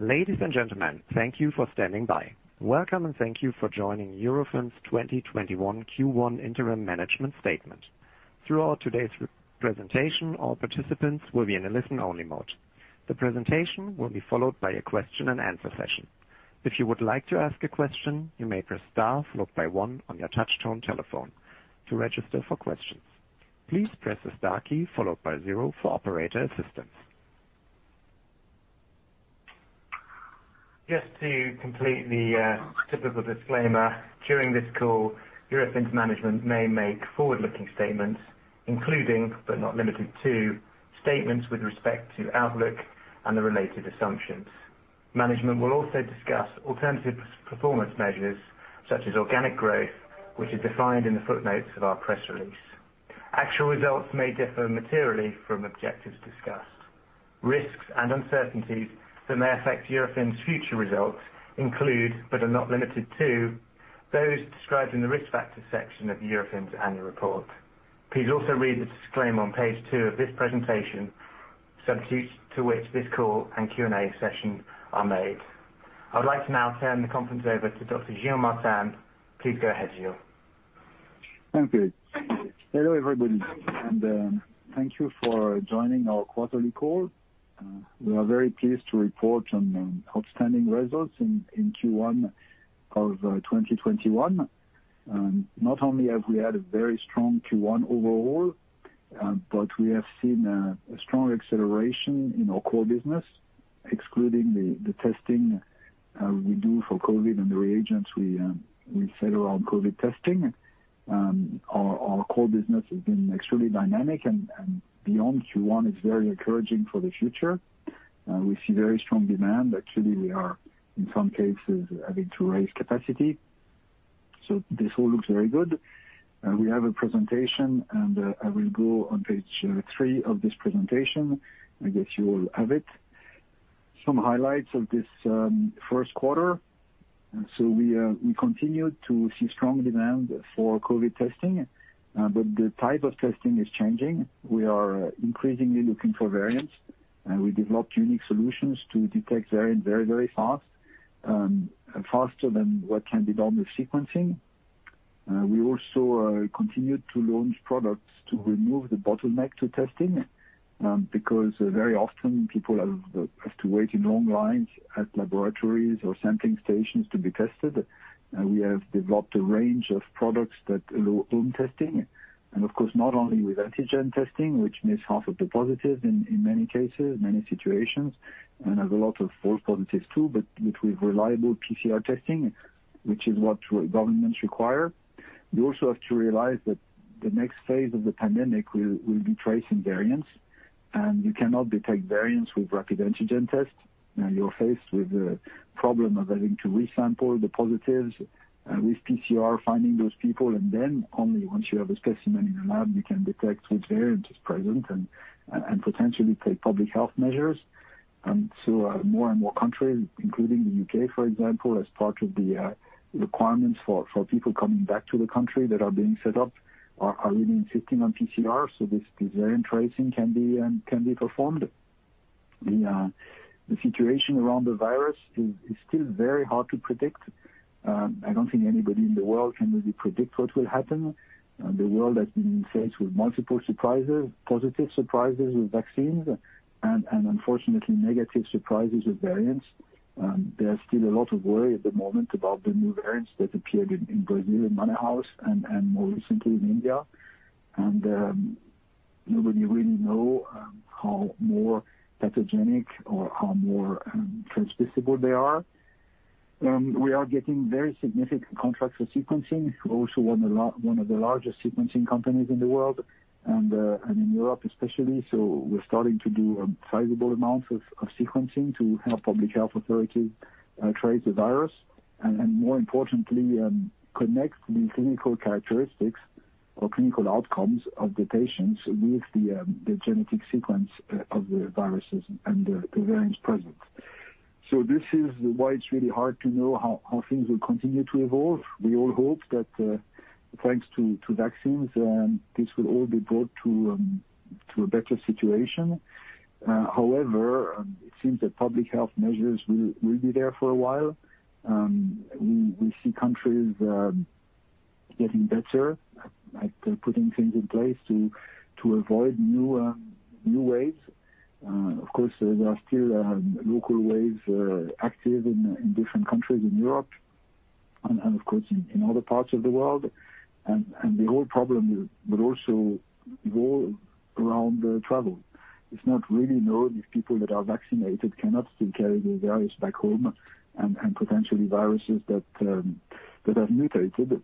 Ladies and gentlemen, thank you for standing by. Welcome, and thank you for joining Eurofins' 2021 Q1 Interim Management Statement. Throughout today's presentation, all participants will be in a listen-only mode. The presentation will be followed by a question-and-answer session. If you would like to ask a question, you may press star followed by one on your touchtone telephone to register for questions. Please press the star key followed by zero for operator assistance. Just to complete the typical disclaimer, during this call, Eurofins' management may make forward-looking statements, including, but not limited to, statements with respect to outlook and the related assumptions. Management will also discuss alternative performance measures such as organic growth, which is defined in the footnotes of our press release. Actual results may differ materially from objectives discussed. Risks and uncertainties that may affect Eurofins' future results include, but are not limited to, those described in the Risk Factors section of Eurofins' annual report. Please also read the disclaimer on page two of this presentation, subject to which this call and Q&A session are made. I would like to now turn the conference over to Dr. Gilles Martin. Please go ahead, Gilles. Thank you. Hello, everybody, and thank you for joining our quarterly call. We are very pleased to report on outstanding results in Q1 of 2021. Not only have we had a very strong Q1 overall, but we have seen a strong acceleration in our core business, excluding the testing we do for COVID and the reagents we sell around COVID testing. Our core business has been extremely dynamic and beyond Q1, it is very encouraging for the future. We see very strong demand. Actually, we are, in some cases, having to raise capacity. This all looks very good. We have a presentation. I will go on page three of this presentation. I guess you all have it. Some highlights of this first quarter. We continued to see strong demand for COVID testing, but the type of testing is changing. We are increasingly looking for variants. We developed unique solutions to detect variants very fast, faster than what can be done with sequencing. We also continued to launch products to remove the bottleneck to testing, because very often people have to wait in long lines at laboratories or sampling stations to be tested. We have developed a range of products that allow home testing. Of course, not only with antigen testing, which miss half of the positives in many cases, many situations, and have a lot of false positives too, but with reliable PCR testing, which is what governments require. You also have to realize that the next phase of the pandemic will be tracing variants. You cannot detect variants with rapid antigen tests. You're faced with the problem of having to resample the positives with PCR, finding those people, and then only once you have a specimen in a lab, you can detect which variant is present and potentially take public health measures. More and more countries, including the U.K., for example, as part of the requirements for people coming back to the country that are being set up, are really insisting on PCR so this variant tracing can be performed. The situation around the virus is still very hard to predict. I don't think anybody in the world can really predict what will happen. The world has been faced with multiple surprises, positive surprises with vaccines and unfortunately negative surprises with variants. There's still a lot of worry at the moment about the new variants that appeared in Brazil, in Manaus, and more recently in India. Nobody really know how more pathogenic or how more transmissible they are. We are getting very significant contracts for sequencing. We're also one of the largest sequencing companies in the world and in Europe especially. We're starting to do sizable amounts of sequencing to help public health authorities trace the virus, and more importantly, connect the clinical characteristics or clinical outcomes of the patients with the genetic sequence of the viruses and the variants present. This is why it's really hard to know how things will continue to evolve. We all hope that thanks to vaccines, this will all be brought to a better situation. However, it seems that public health measures will be there for a while. We see countries getting better at putting things in place to avoid new waves. Of course, there are still local waves active in different countries in Europe and of course, in other parts of the world. The whole problem will also revolve around travel. It's not really known if people that are vaccinated cannot still carry the virus back home and potentially viruses that have mutated.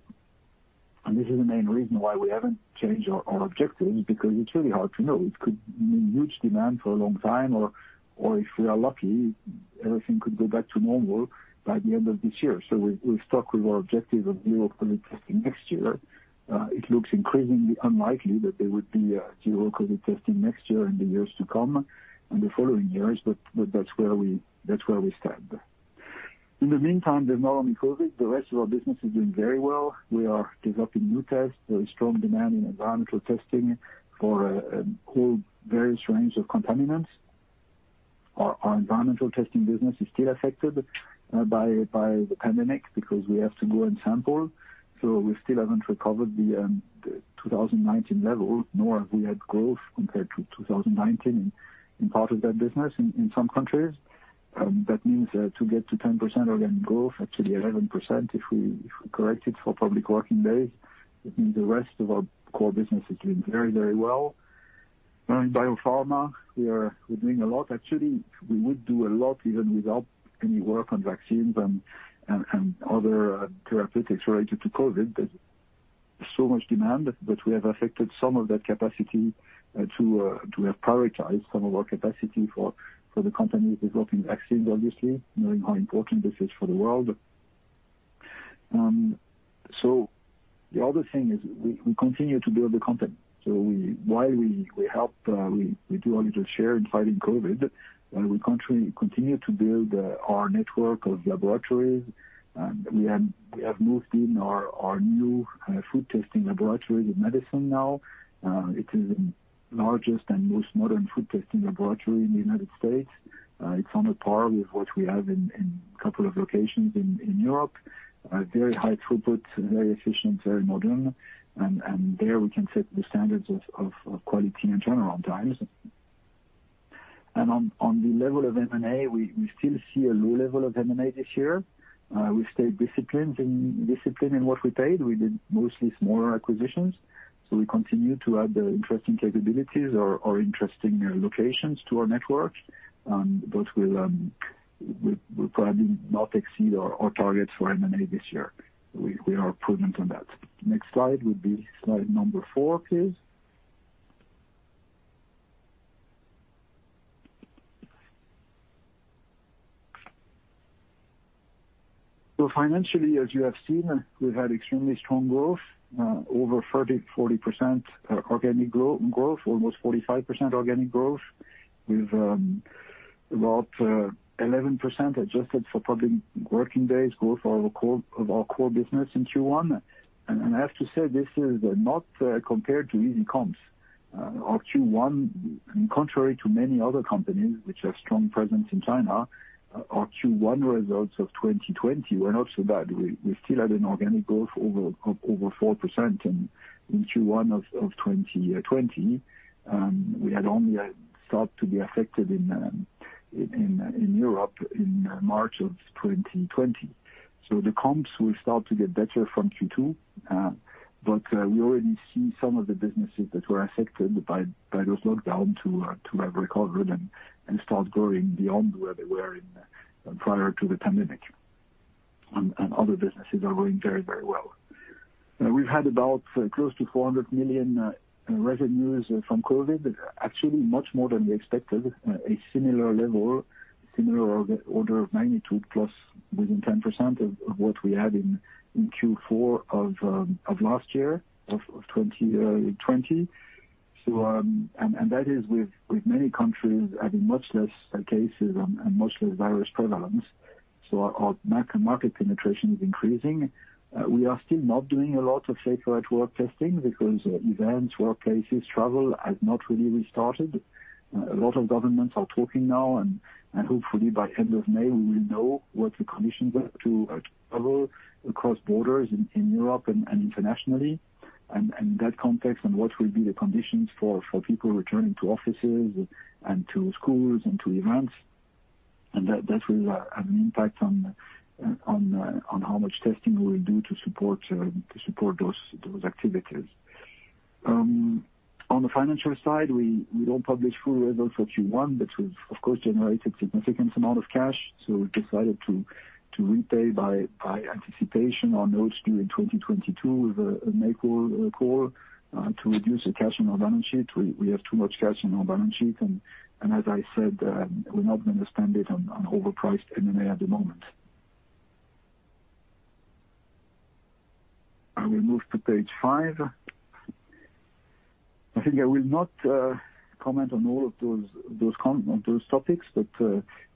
This is the main reason why we haven't changed our objectives, because it's really hard to know. It could mean huge demand for a long time, or if we are lucky, everything could go back to normal by the end of this year. We've stuck with our objective of zero COVID testing next year. It looks increasingly unlikely that there would be zero COVID testing next year and the years to come in the following years, but that's where we stand. In the meantime, there's not only COVID. The rest of our business is doing very well. We are developing new tests. There is strong demand in environmental testing for a whole various range of contaminants. Our environmental testing business is still affected by the pandemic because we have to go and sample, so we still haven't recovered the 2019 level, nor have we had growth compared to 2019 in part of that business in some countries. That means to get to 10% organic growth, actually 11% if we correct it for public working days, it means the rest of our core business is doing very well. In biopharma, we're doing a lot. Actually, we would do a lot even without any work on vaccines and other therapeutics related to COVID. There's so much demand that we have affected some of that capacity to have prioritized some of our capacity for the companies developing vaccines, obviously, knowing how important this is for the world. The other thing is we continue to build the company. While we do our little share in fighting COVID, we continue to build our network of laboratories. We have moved in our new food testing laboratory in Madison now. It is the largest and most modern food testing laboratory in the United States. It's on a par with what we have in a couple of locations in Europe. Very high throughput, very efficient, very modern, and there we can set the standards of quality and turnaround times. On the level of M&A, we still see a low level of M&A this year. We've stayed disciplined in what we paid. We did mostly smaller acquisitions. We continue to add interesting capabilities or interesting locations to our network, but we'll probably not exceed our targets for M&A this year. We are prudent on that. Slide would be slide number four, please. Financially, as you have seen, we've had extremely strong growth, over 30%, 40% organic growth, almost 45% organic growth. We've about 11% adjusted for public working days growth of our core business in Q1. I have to say, this is not compared to easy comps. Our Q1, contrary to many other companies which have strong presence in China, our Q1 results of 2020 were not so bad. We still had an organic growth of over 4% in Q1 of 2020. We had only started to be affected in Europe in March of 2020. The comps will start to get better from Q2, but we already see some of the businesses that were affected by those lockdowns to have recovered and start growing beyond where they were prior to the pandemic. Other businesses are going very well. We've had about close to 400 million revenues from COVID, actually much more than we expected, a similar level, similar order of magnitude plus within 10% of what we had in Q4 of last year, of 2020. That is with many countries having much less cases and much less virus prevalence. Our market penetration is increasing. We are still not doing a lot of SAFER@WORK testing because events, workplaces, travel, have not really restarted. A lot of governments are talking now, and hopefully by end of May, we will know what the conditions are to travel across borders in Europe and internationally, and that context on what will be the conditions for people returning to offices and to schools and to events. That will have an impact on how much testing we will do to support those activities. On the financial side, we don't publish full levels for Q1, but we've of course generated significant amount of cash. We've decided to repay by anticipation on notes due in 2022 with a make-whole call to reduce the cash on our balance sheet. We have too much cash on our balance sheet, and as I said, we're not going to spend it on overpriced M&A at the moment. I will move to page five. I think I will not comment on all of those topics, but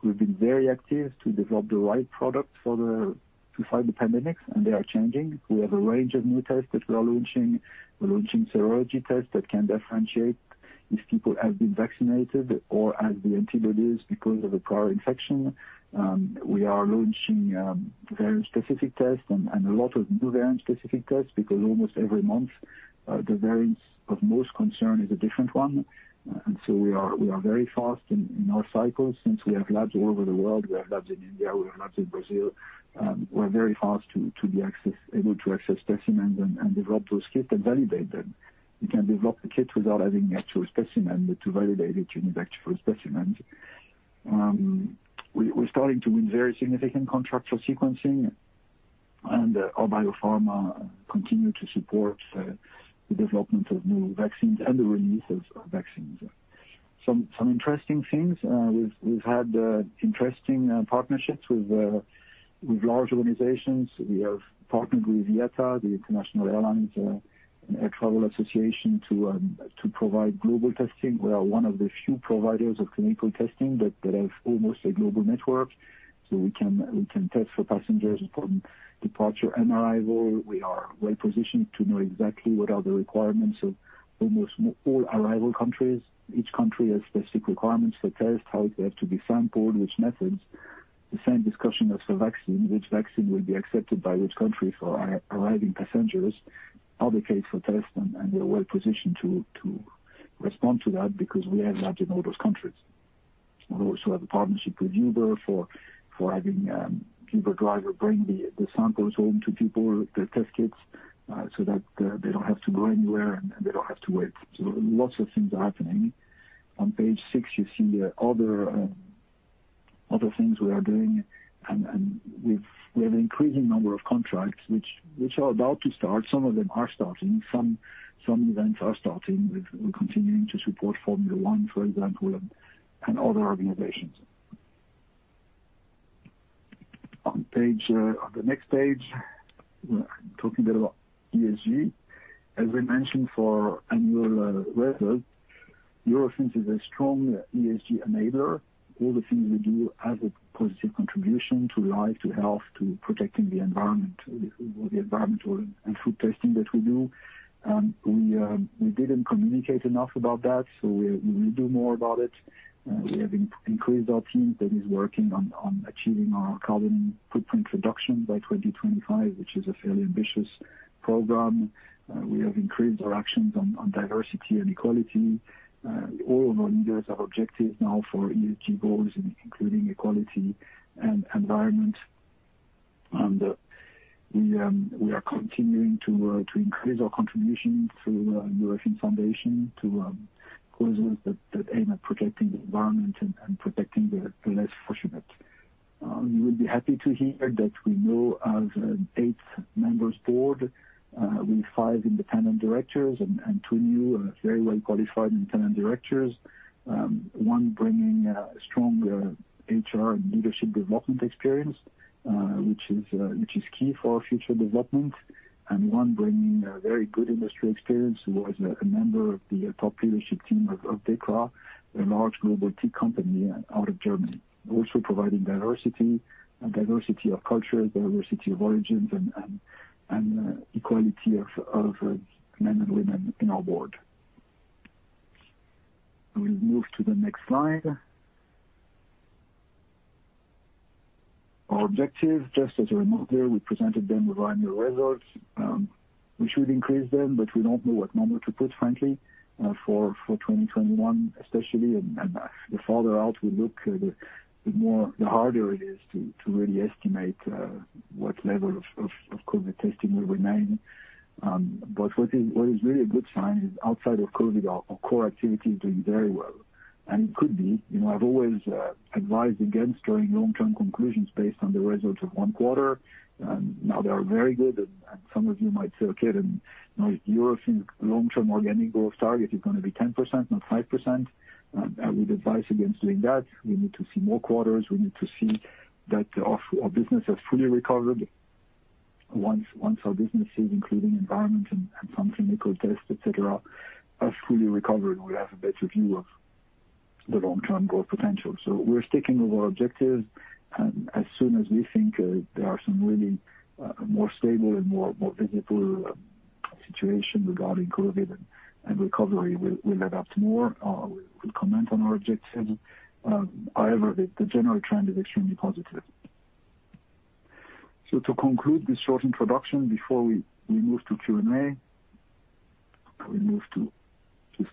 we've been very active to develop the right product to fight the pandemic, and they are changing. We have a range of new tests that we are launching. We're launching serology tests that can differentiate if people have been vaccinated or have the antibodies because of a prior infection. We are launching variant-specific tests and a lot of new variant-specific tests because almost every month, the variant of most concern is a different one. We are very fast in our cycles since we have labs all over the world. We have labs in India, we have labs in Brazil. We're very fast to be able to access specimens and develop those kits and validate them. You can develop the kit without having actual specimen, but to validate it, you need actual specimen. We're starting to win very significant contracts for sequencing, and our biopharma continue to support the development of new vaccines and the release of vaccines. Some interesting things. We've had interesting partnerships with large organizations. We have partnered with IATA, the International Air Transport Association, to provide global testing. We are one of the few providers of clinical testing that have almost a global network, so we can test for passengers from departure and arrival. We are well-positioned to know exactly what are the requirements of almost all arrival countries. Each country has specific requirements for tests, how they have to be sampled, which methods. The same discussion as for vaccine, which vaccine will be accepted by which country for arriving passengers, are the case for tests, and we are well positioned to respond to that because we have labs in all those countries. We also have a partnership with Uber for having Uber driver bring the samples home to people, the test kits, so that they don't have to go anywhere, and they don't have to wait. Lots of things are happening. On page six, you see other things we are doing. We have an increasing number of contracts which are about to start. Some of them are starting. Some events are starting. We're continuing to support Formula One, for example, and other organizations. On the next page, we're talking a bit about ESG. As we mentioned for annual results, Eurofins is a strong ESG enabler. All the things we do as a positive contribution to life, to health, to protecting the environment, with the environmental and food testing that we do. We didn't communicate enough about that, so we will do more about it. We have increased our team that is working on achieving our carbon footprint reduction by 2025, which is a fairly ambitious program. We have increased our actions on diversity and equality. All of our leaders have objectives now for ESG goals, including equality and environment. We are continuing to increase our contribution through Eurofins Foundation to causes that aim at protecting the environment and protecting the less fortunate. You will be happy to hear that we now have an eight members board, with five Independent Directors and two new, very well-qualified Independent Directors. One bringing strong HR and leadership development experience, which is key for our future development, and one bringing a very good industry experience, who was a member of the top leadership team of DEKRA, a large global TIC company out of Germany. Also providing diversity of culture, diversity of origins, and equality of men and women in our Board. We'll move to the next slide. Our objective, just as a reminder, we presented them with our annual results. We should increase them, but we don't know what number to put, frankly, for 2021, especially. The farther out we look, the harder it is to really estimate what level of COVID testing will remain. What is really a good sign is outside of COVID, our core activity is doing very well. It could be. I've always advised against drawing long-term conclusions based on the results of one quarter. Now they are very good, and some of you might say, okay, now if Eurofins long-term organic growth target is going to be 10%, not 5%, I would advise against doing that. We need to see more quarters. We need to see that our business has fully recovered. Once our businesses, including environment and some clinical tests, et cetera, are fully recovered, we'll have a better view of the long-term growth potential. We're sticking with our objectives. As soon as we think there are some really more stable and more visible situation regarding COVID and recovery, we'll adapt more. We'll comment on our objectives. However, the general trend is extremely positive. To conclude this short introduction before we move to Q&A, can we move to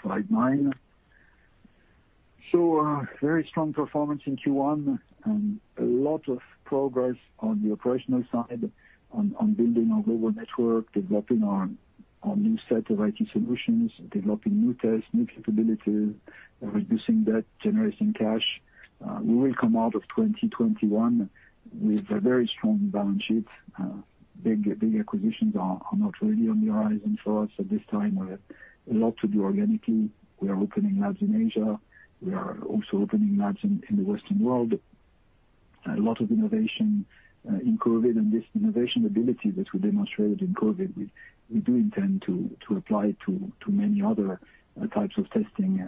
slide nine? A very strong performance in Q1, and a lot of progress on the operational side on building our global network, developing our new set of IT solutions, developing new tests, new capabilities, reducing debt, generating cash. We will come out of 2021 with a very strong balance sheet. Big acquisitions are not really on the horizon for us at this time. We have a lot to do organically. We are opening labs in Asia. We are also opening labs in the Western world. A lot of innovation in COVID and this innovation ability that we demonstrated in COVID, we do intend to apply to many other types of testing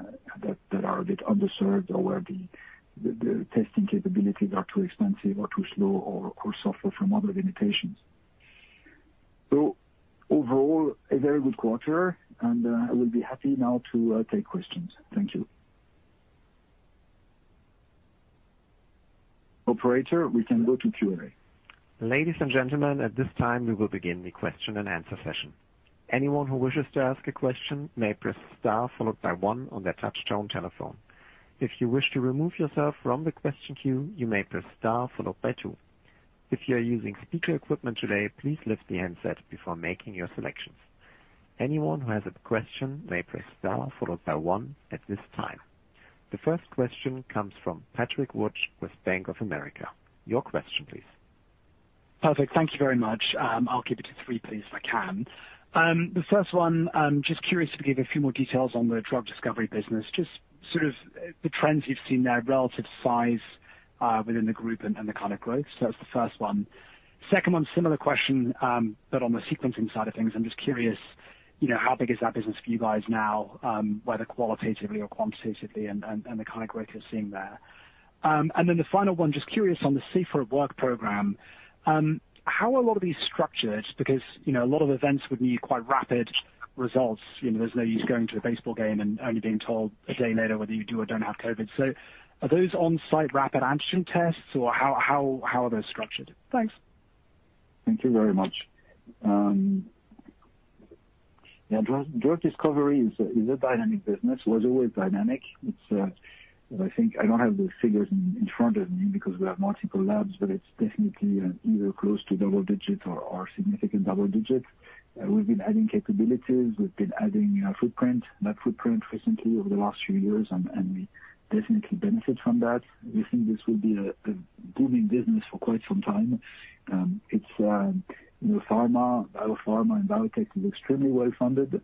that are a bit underserved or where the testing capabilities are too expensive or too slow or suffer from other limitations. Overall, a very good quarter, and I will be happy now to take questions. Thank you. Operator, we can go to Q&A. Ladies and gentlemen, at this time, we will begin the question-and-answer session. Anyone who wishes to ask a question may press star followed by one on their touchtone telephone. If you wish to remove yourself from the question queue, you may press star followed by two. If you are using speaker equipment today, please lift the handset before making your selections. Anyone who has a question may press star followed by one at this time. The first question comes from Patrick Wood with Bank of America. Your question, please. Perfect. Thank you very much. I'll keep it to three please, if I can. The first one, just curious if you could give a few more details on the drug discovery business, just sort of the trends you've seen there, relative size within the group and the kind of growth. That's the first one. Second one, similar question, but on the sequencing side of things, I'm just curious how big is that business for you guys now, whether qualitatively or quantitatively and the kind of growth you're seeing there. The final one, just curious on the SAFER@WORK program, how are a lot of these structured? Because a lot of events would need quite rapid results. There's no use going to a baseball game and only being told a day later whether you do or don't have COVID. Are those on-site rapid antigen tests or how are those structured? Thanks. Thank you very much. Yeah, drug discovery is a dynamic business. Was always dynamic. I don't have the figures in front of me because we have multiple labs, but it's definitely either close to double-digit or significant double-digit. We've been adding capabilities. We've been adding footprint, net footprint recently over the last few years, and we definitely benefit from that. We think this will be a booming business for quite some time. Biopharma and biotech is extremely well-funded,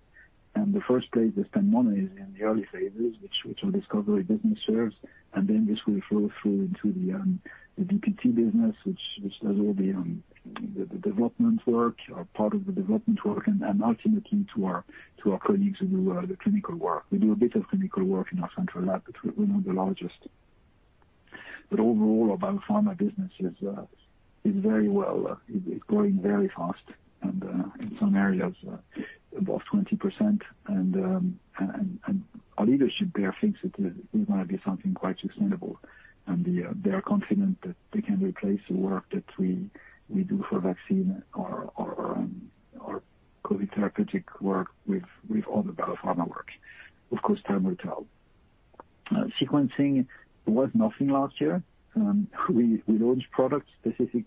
and the first place they spend money is in the early phases, which our drug discovery business serves, and then this will flow through into the BPT business, which does all the development work or part of the development work, and ultimately to our colleagues who do the clinical work. We do a bit of clinical work in our central lab. We're not the largest. Overall, our bio-pharma business is growing very fast and in some areas above 20%, and our leadership there thinks it is going to be something quite sustainable, and they are confident that they can replace the work that we do for vaccine or our COVID therapeutic work with all the bio-pharma work. Of course, time will tell. Sequencing was nothing last year. We launched specific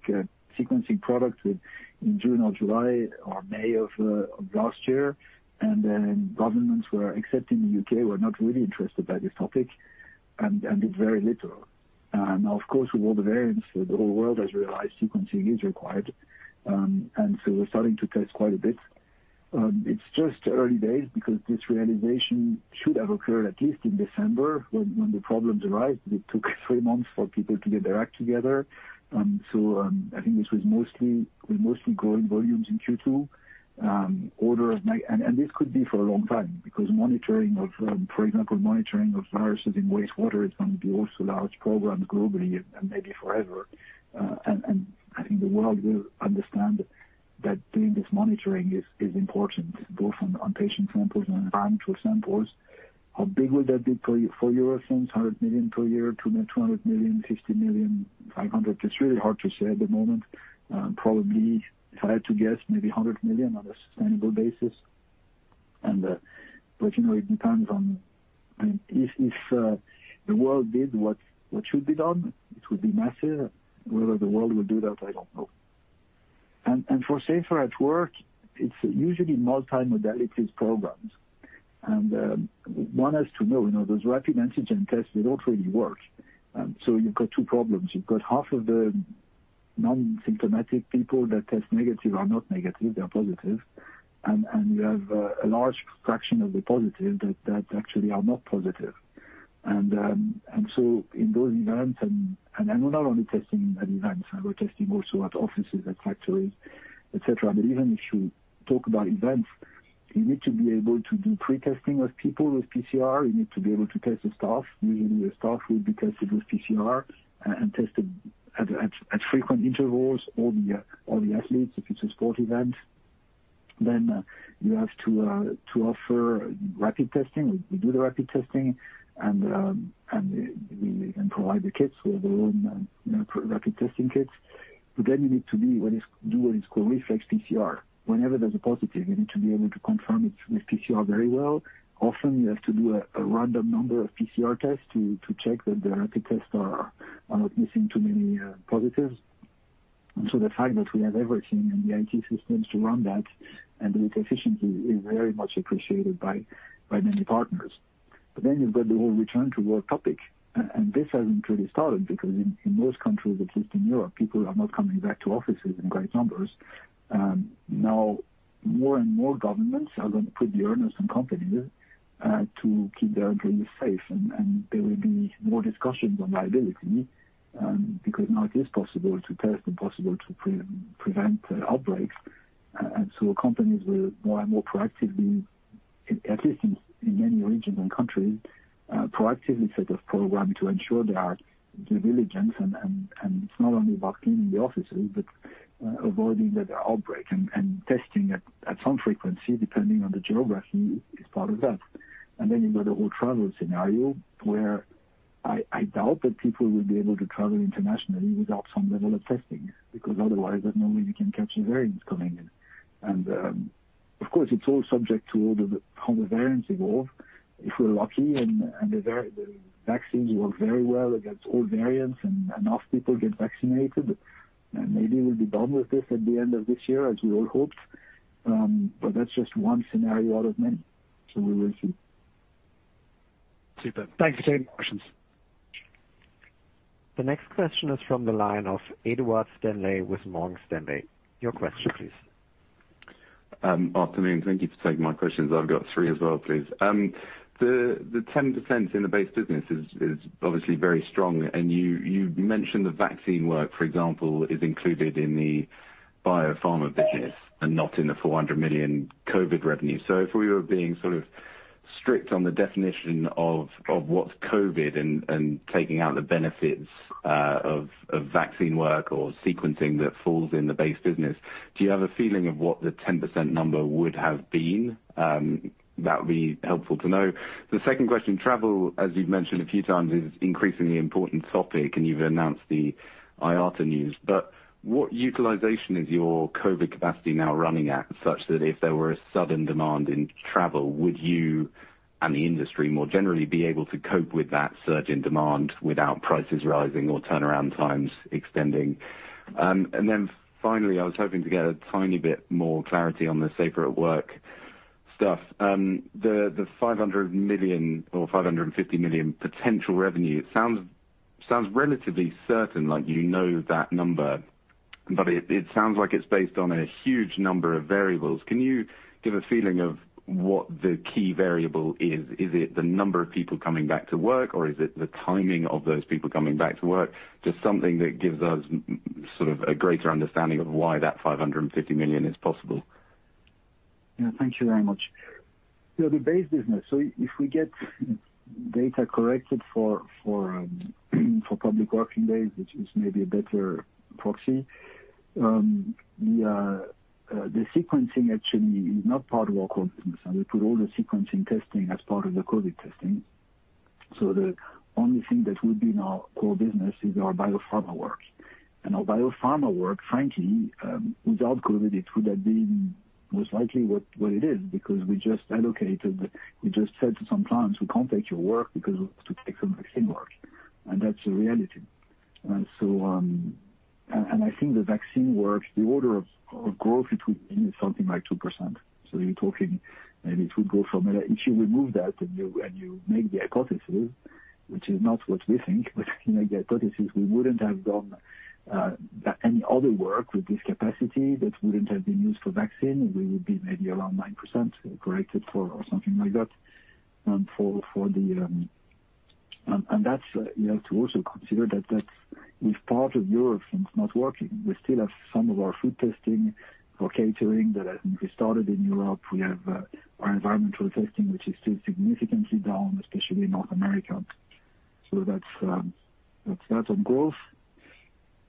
sequencing product in June or July or May of last year, then governments were accepting. The U.K. were not really interested about this topic, did very little. Of course, with all the variants, the whole world has realized sequencing is required, so we're starting to test quite a bit. It's just early days because this realization should have occurred at least in December when the problems arise. It took three months for people to get their act together. I think this was mostly growing volumes in Q2. This could be for a long time because monitoring of, for example, monitoring of viruses in wastewater is going to be also a large program globally and maybe forever. I think the world will understand that doing this monitoring is important, both on patient samples and environmental samples. How big would that be for Eurofins? Euro 100 million per year, 200 million, 50 million, 500 million? It's really hard to say at the moment. Probably, if I had to guess, maybe 100 million on a sustainable basis. It depends on if the world did what should be done, it would be massive. Whether the world would do that, I don't know. For SAFER@WORK, it's usually multi-modalities programs. One has to know, those rapid antigen tests, they don't really work. You've got two problems. You've got half of the non-symptomatic people that test negative are not negative, they're positive. You have a large fraction of the positive that actually are not positive. In those events, and we're not only testing at events, we're testing also at offices, at factories, et cetera. Even if you talk about events, you need to be able to do pre-testing of people with PCR. You need to be able to test the staff. Usually, the staff would be tested with PCR and tested at frequent intervals. All the athletes, if it's a sport event, you have to offer rapid testing. We do the rapid testing, and we even provide the kits. We have our own rapid testing kits. You need to do what is called reflex PCR. Whenever there's a positive, you need to be able to confirm it with PCR very well. Often, you have to do a random number of PCR tests to check that the rapid tests are not missing too many positives. The fact that we have everything in the IT systems to run that and do it efficiently is very much appreciated by many partners. You've got the whole return to work topic, and this hasn't really started because in most countries, at least in Europe, people are not coming back to offices in great numbers. More and more governments are going to put the onus on companies to keep their employees safe, and there will be more discussions on liability, because now it is possible to test and possible to prevent outbreaks. Companies will more and more proactively, at least in many regions and countries, proactively set a program to ensure their due diligence. It's not only about cleaning the offices, but avoiding the outbreak and testing at some frequency, depending on the geography, is part of that. You've got the whole travel scenario, where I doubt that people will be able to travel internationally without some level of testing, because otherwise, there's no way you can catch the variants coming in. Of course, it's all subject to how the variants evolve. If we're lucky and the vaccines work very well against all variants and enough people get vaccinated, then maybe we'll be done with this at the end of this year as we all hoped. That's just one scenario out of many. We will see. Super. Thank you, Gilles, for the questions. The next question is from the line of Edward Stanley with Morgan Stanley, your question please. Afternoon? Thank you for taking my questions. I've got three as well, please. The 10% in the base business is obviously very strong, and you mentioned the vaccine work, for example, is included in the biopharma business and not in the 400 million COVID revenue. If we were being sort of strict on the definition of what's COVID and taking out the benefits of vaccine work or sequencing that falls in the base business, do you have a feeling of what the 10% number would have been? That would be helpful to know. The second question, travel, as you've mentioned a few times, is increasingly important topic, and you've announced the IATA news. What utilization is your COVID capacity now running at, such that if there were a sudden demand in travel, would you and the industry more generally be able to cope with that surge in demand without prices rising or turnaround times extending? Finally, I was hoping to get a tiny bit more clarity on the SAFER@WORK stuff. The 500 million or 550 million potential revenue. It sounds relatively certain, like you know that number, but it sounds like it's based on a huge number of variables. Can you give a feeling of what the key variable is? Is it the number of people coming back to work, or is it the timing of those people coming back to work? Just something that gives us sort of a greater understanding of why that 550 million is possible. Yeah. Thank you very much. The base business. If we get data corrected for public working days, which is maybe a better proxy, the sequencing actually is not part of our core business, and we put all the sequencing testing as part of the COVID testing. The only thing that would be in our core business is our biopharma work. Our biopharma work, frankly, without COVID, it would have been most likely what it is, because we just said to some clients, we can't take your work because we have to take some vaccine work. That's the reality. I think the vaccine work, the order of growth, it would be something like 2%. You're talking maybe it would go. If you remove that and you make the hypothesis, which is not what we think, but you make the hypothesis, we wouldn't have done any other work with this capacity that wouldn't have been used for vaccine, we would be maybe around 9% corrected for or something like that. You have to also consider that if part of Europe is not working, we still have some of our food testing for catering that has been restarted in Europe. We have our environmental testing, which is still significantly down, especially in North America. That's that on growth.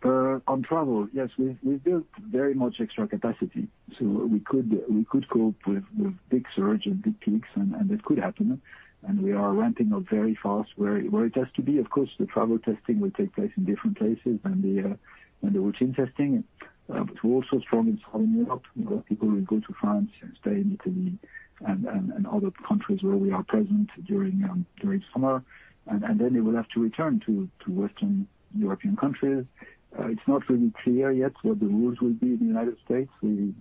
On travel, yes, we've built very much extra capacity, so we could cope with big surge and big peaks, and that could happen. We are ramping up very fast where it has to be. The travel testing will take place in different places than the routine testing. We're also strong in Southern Europe. We've got people who go to France and stay in Italy and other countries where we are present during summer, and then they will have to return to Western European countries. It's not really clear yet what the rules will be in the United States. We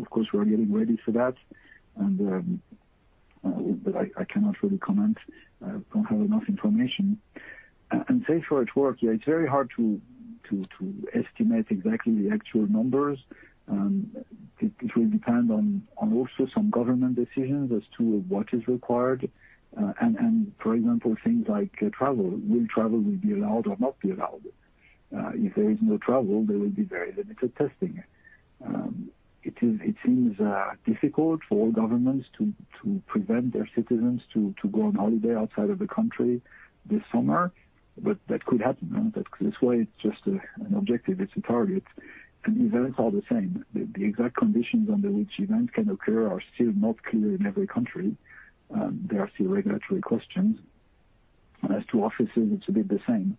are getting ready for that, but I cannot really comment. I don't have enough information. SAFER@WORK, yeah, it's very hard to estimate exactly the actual numbers. It will depend on also some government decisions as to what is required. For example, things like travel, will travel be allowed or not be allowed? If there is no travel, there will be very limited testing. It seems difficult for governments to prevent their citizens to go on holiday outside of the country this summer, but that could happen. That's why it's just an objective, it's a target, and events are the same. The exact conditions under which events can occur are still not clear in every country. There are still regulatory questions. As to offices, it's a bit the same.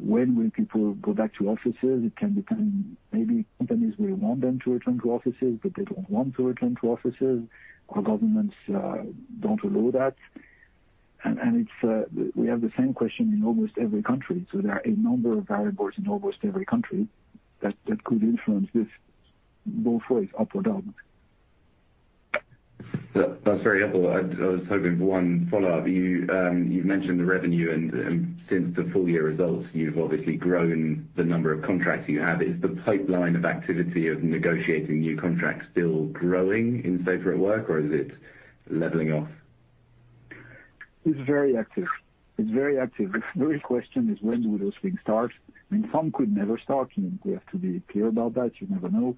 When will people go back to offices? It can depend, maybe companies will want them to return to offices, but they don't want to return to offices, or governments don't allow that. We have the same question in almost every country. There are a number of variables in almost every country that could influence this both ways, up or down. That's very helpful. I was hoping for one follow-up. You've mentioned the revenue and since the full year results, you've obviously grown the number of contracts you have. Is the pipeline of activity of negotiating new contracts still growing in SAFER@WORK or is it leveling off? It's very active. The real question is when will those things start? I mean, some could never start. We have to be clear about that. You never know,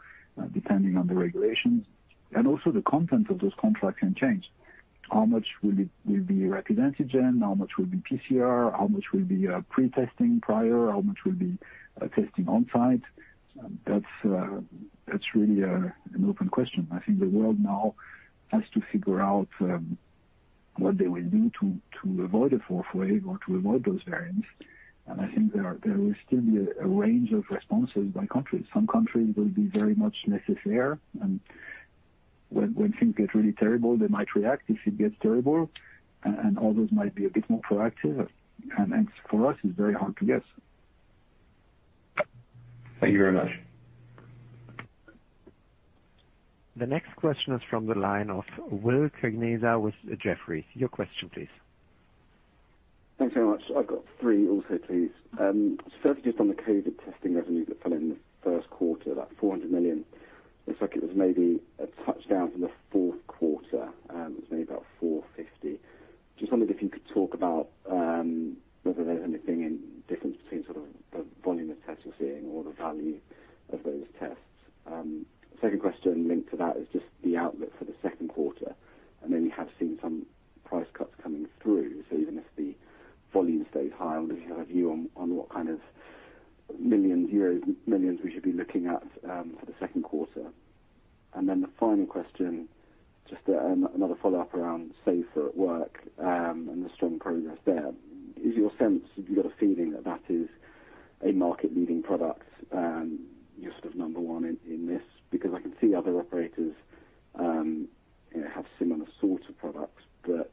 depending on the regulations. Also, the content of those contracts can change. How much will be rapid antigen, how much will be PCR, how much will be pre-testing prior, how much will be testing on-site? That's really an open question. I think the world now has to figure out what they will do to avoid a fourth wave or to avoid those variants. I think there will still be a range of responses by country. Some countries will be very much laissez-faire, and when things get really terrible, they might react if it gets terrible, and others might be a bit more proactive. For us, it's very hard to guess. Thank you very much. The next question is from the line of Will Kirkness with Jefferies, your question, please. Thanks very much. I've got three also, please. First, just on the COVID-19 testing revenues that fell in the first quarter, that 400 million. Looks like it was maybe a touch down from the fourth quarter. It was maybe about 450 million. Just wondered if you could talk about whether there's anything in difference between sort of the volume of tests you're seeing or the value of those tests. Second question linked to that is just the outlook for the second quarter. I know you have seen some price cuts coming through, so even if the volume stays high, I wonder if you have a view on what kind of million euros we should be looking at for the second quarter. Then the final question, just another follow-up around SAFER@WORK, and the strong progress there. Is your sense, have you got a feeling that is a market-leading product, you're sort of number one in this? I can see other operators have similar sorts of products, but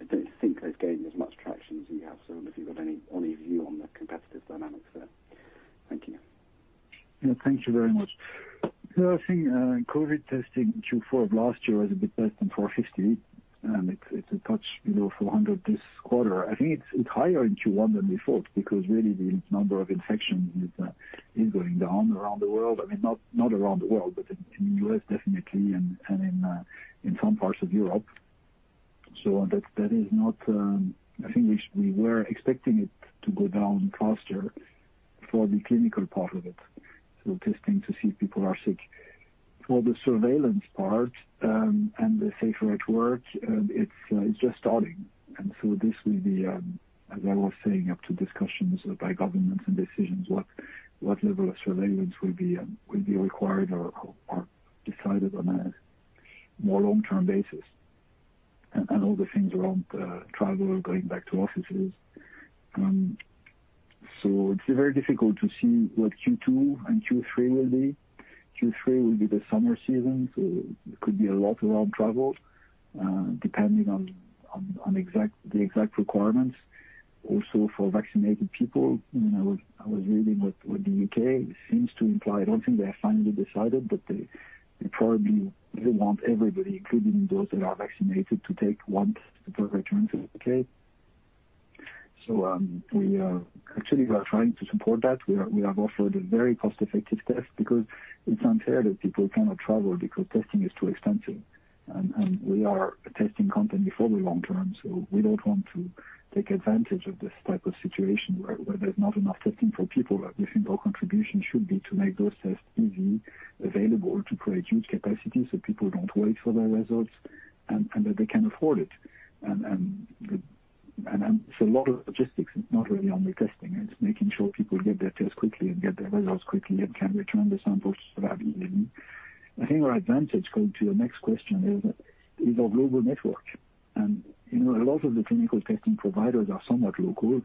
I don't think they've gained as much traction as you have. I wonder if you've got any view on the competitive dynamics there. Thank you. Thank you very much. I think COVID testing Q4 of last year was a bit less than 450 million, and it's a touch below 400 million this quarter. I think it's higher in Q1 than we thought, because really the number of infections is going down around the world. I mean, not around the world, but in the U.S. definitely and in some parts of Europe. That is not I think we were expecting it to go down faster for the clinical part of it. For the surveillance part, and the SAFER@WORK, it's just starting. This will be, as I was saying, up to discussions by governments and decisions what level of surveillance will be required or decided on a more long-term basis. All the things around travel, going back to offices. It's very difficult to see what Q2 and Q3 will be. Q3 will be the summer season, so it could be a lot around travel, depending on the exact requirements. Also for vaccinated people, I was reading what the U.K. seems to imply. I don't think they have finally decided, but they probably will want everybody, including those that are vaccinated, to take one to return to the U.K. Actually, we are trying to support that. We have offered a very cost-effective test because it's unfair that people cannot travel because testing is too expensive. We are a testing company for the long term, so we don't want to take advantage of this type of situation where there's not enough testing for people. We think our contribution should be to make those tests easy, available, to create huge capacity so people don't wait for their results, and that they can afford it. It's a lot of logistics, it's not really on the testing. It's making sure people get their tests quickly and get their results quickly and can return the samples rapidly. I think our advantage, going to your next question, is our global network. A lot of the clinical testing providers are somewhat local.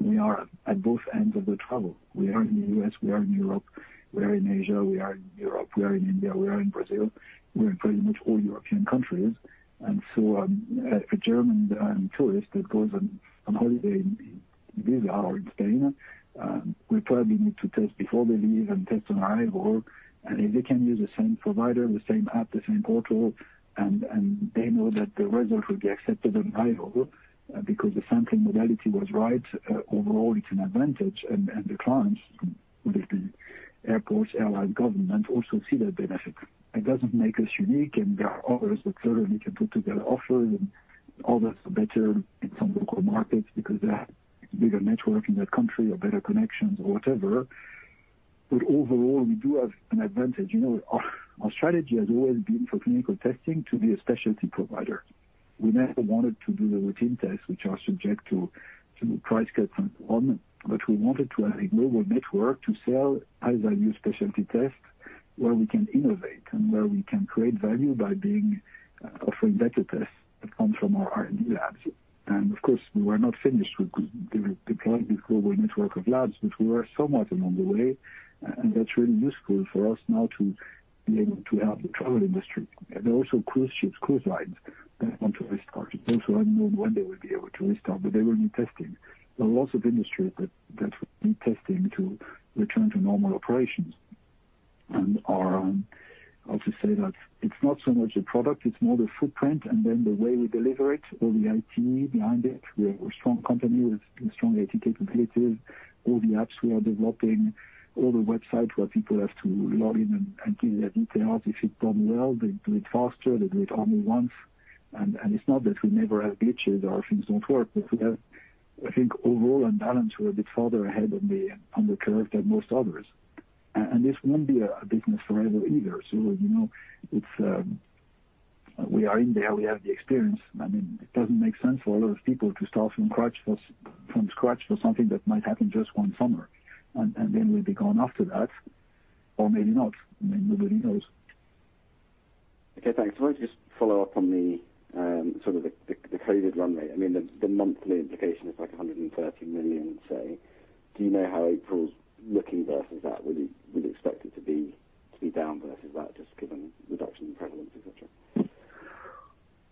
We are at both ends of the travel. We are in the U.S., we are in Europe, we are in Asia, we are in Europe, we are in India, we are in Brazil. We are in pretty much all European countries. A German tourist that goes on holiday in Ibiza or in Spain will probably need to test before they leave and test on arrival. The clients, whether it be airports, airlines, government, also see that benefit. It doesn't make us unique, and there are others that certainly can put together offers and others are better in some local markets because they have bigger network in that country or better connections or whatever. Overall, we do have an advantage. Our strategy has always been for clinical testing to be a specialty provider. We never wanted to do the routine tests, which are subject to price cuts. We wanted to have a global network to sell high-value specialty tests where we can innovate and where we can create value by offering better tests that come from our R&D labs. Of course, we are not finished with deploying the global network of labs, but we are somewhat along the way, and that's really useful for us now to be able to help the travel industry. There are also cruise ships, cruise lines that want to restart. It's also unknown when they will be able to restart, but they will need testing. There are lots of industries that will need testing to return to normal operations. I'll just say that it's not so much the product, it's more the footprint and then the way we deliver it, all the IT behind it. We're a strong company with strong IT capabilities. All the apps we are developing, all the websites where people have to log in and do their details. If it's done well, they do it faster, they do it only once. It's not that we never have glitches or things don't work, but I think overall on balance, we're a bit further ahead on the curve than most others. This won't be a business forever either, so we are in there, we have the experience. It doesn't make sense for a lot of people to start from scratch for something that might happen just one summer, and then will be gone after that, or maybe not. Nobody knows. Okay, thanks. I want to just follow up on the sort of the COVID run rate. The monthly implication is like 130 million, say. Do you know how April's looking versus that? Would you expect it to be down versus that, just given reduction in prevalence, et cetera?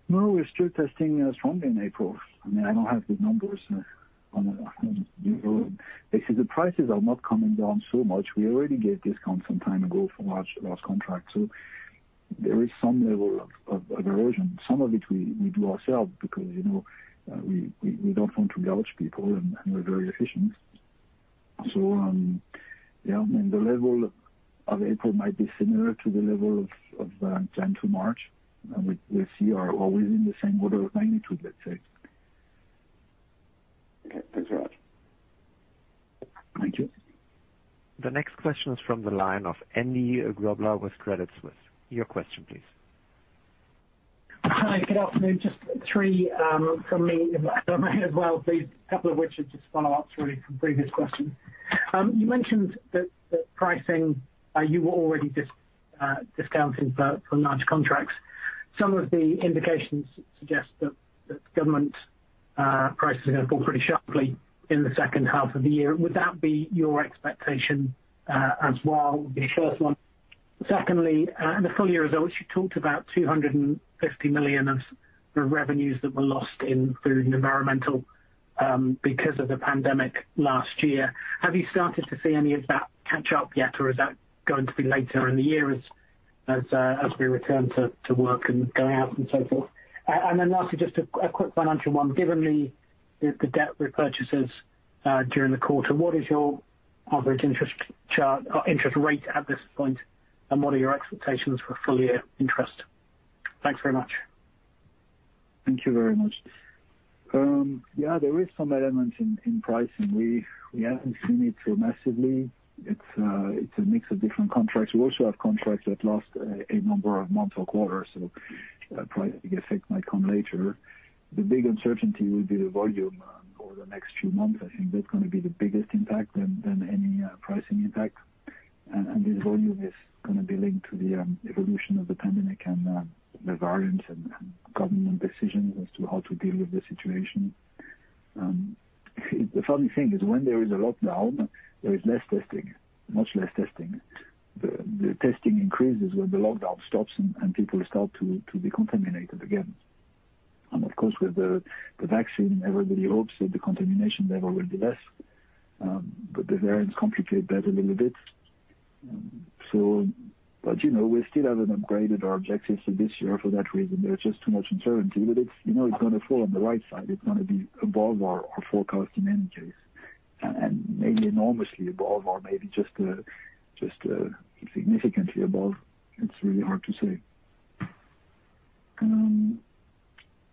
No, we're still testing strongly in April. I don't have the numbers on that. You see, the prices are not coming down so much. We already gave discounts some time ago for large contracts, so there is some level of erosion. Some of it we do ourselves, because we don't want to gouge people, and we're very efficient. Yeah, the level of April might be similar to the level of January to March. We'll see. Always in the same order of magnitude, let's say. Okay. Thanks very much. Thank you. The next question is from the line of Andy Grobler with Credit Suisse, your question, please. Hi, good afternoon? Just three from me, if I may as well, please. A couple of which are just follow-ups, really, from previous questions. You mentioned that pricing, you were already discounting for large contracts. Some of the indications suggest that government prices are going to fall pretty sharply in the second half of the year. Would that be your expectation as well? Would be the first one. The full year results, you talked about 250 million of the revenues that were lost in food and environmental because of the pandemic last year. Have you started to see any of that catch up yet, or is that going to be later in the year as we return to work and going out and so forth? Lastly, just a quick financial one. Given the debt repurchases during the quarter, what is your average interest rate at this point, and what are your expectations for full-year interest? Thanks very much. Thank you very much. Yeah, there is some element in pricing. We haven't seen it too massively. It's a mix of different contracts. We also have contracts that last a number of months or quarters, the pricing effect might come later. The big uncertainty will be the volume over the next few months. I think that's going to be the biggest impact than any pricing impact. This volume is going to be linked to the evolution of the pandemic and the variants and government decisions as to how to deal with the situation. The funny thing is, when there is a lockdown, there is less testing, much less testing. The testing increases when the lockdown stops and people start to be contaminated again. Of course, with the vaccine, everybody hopes that the contamination level will be less. The variants complicate that a little bit. We still haven't upgraded our objectives for this year, for that reason. There's just too much uncertainty. It's going to fall on the right side. It's going to be above our forecast in any case, and maybe enormously above, or maybe just significantly above. It's really hard to say.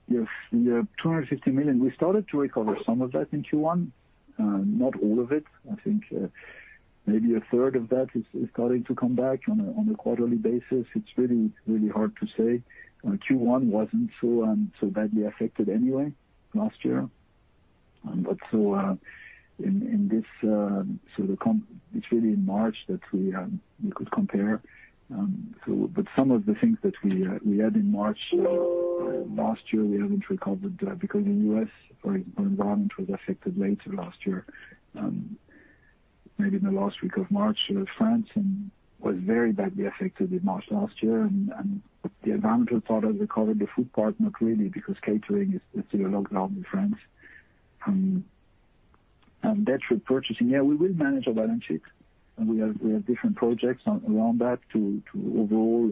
Yes, the 250 million, we started to recover some of that in Q1. Not all of it. I think maybe a third of that is starting to come back on a quarterly basis. It's really hard to say. Q1 wasn't so badly affected anyway last year. It's really in March that we could compare. Some of the things that we had in March last year, we haven't recovered that, because in the U.S., our environment was affected later last year, maybe in the last week of March. France was very badly affected in March last year, the environmental part has recovered. The food part not really, because catering is still on lockdown in France. Debt repurchasing, yeah, we will manage our balance sheet, and we have different projects around that to overall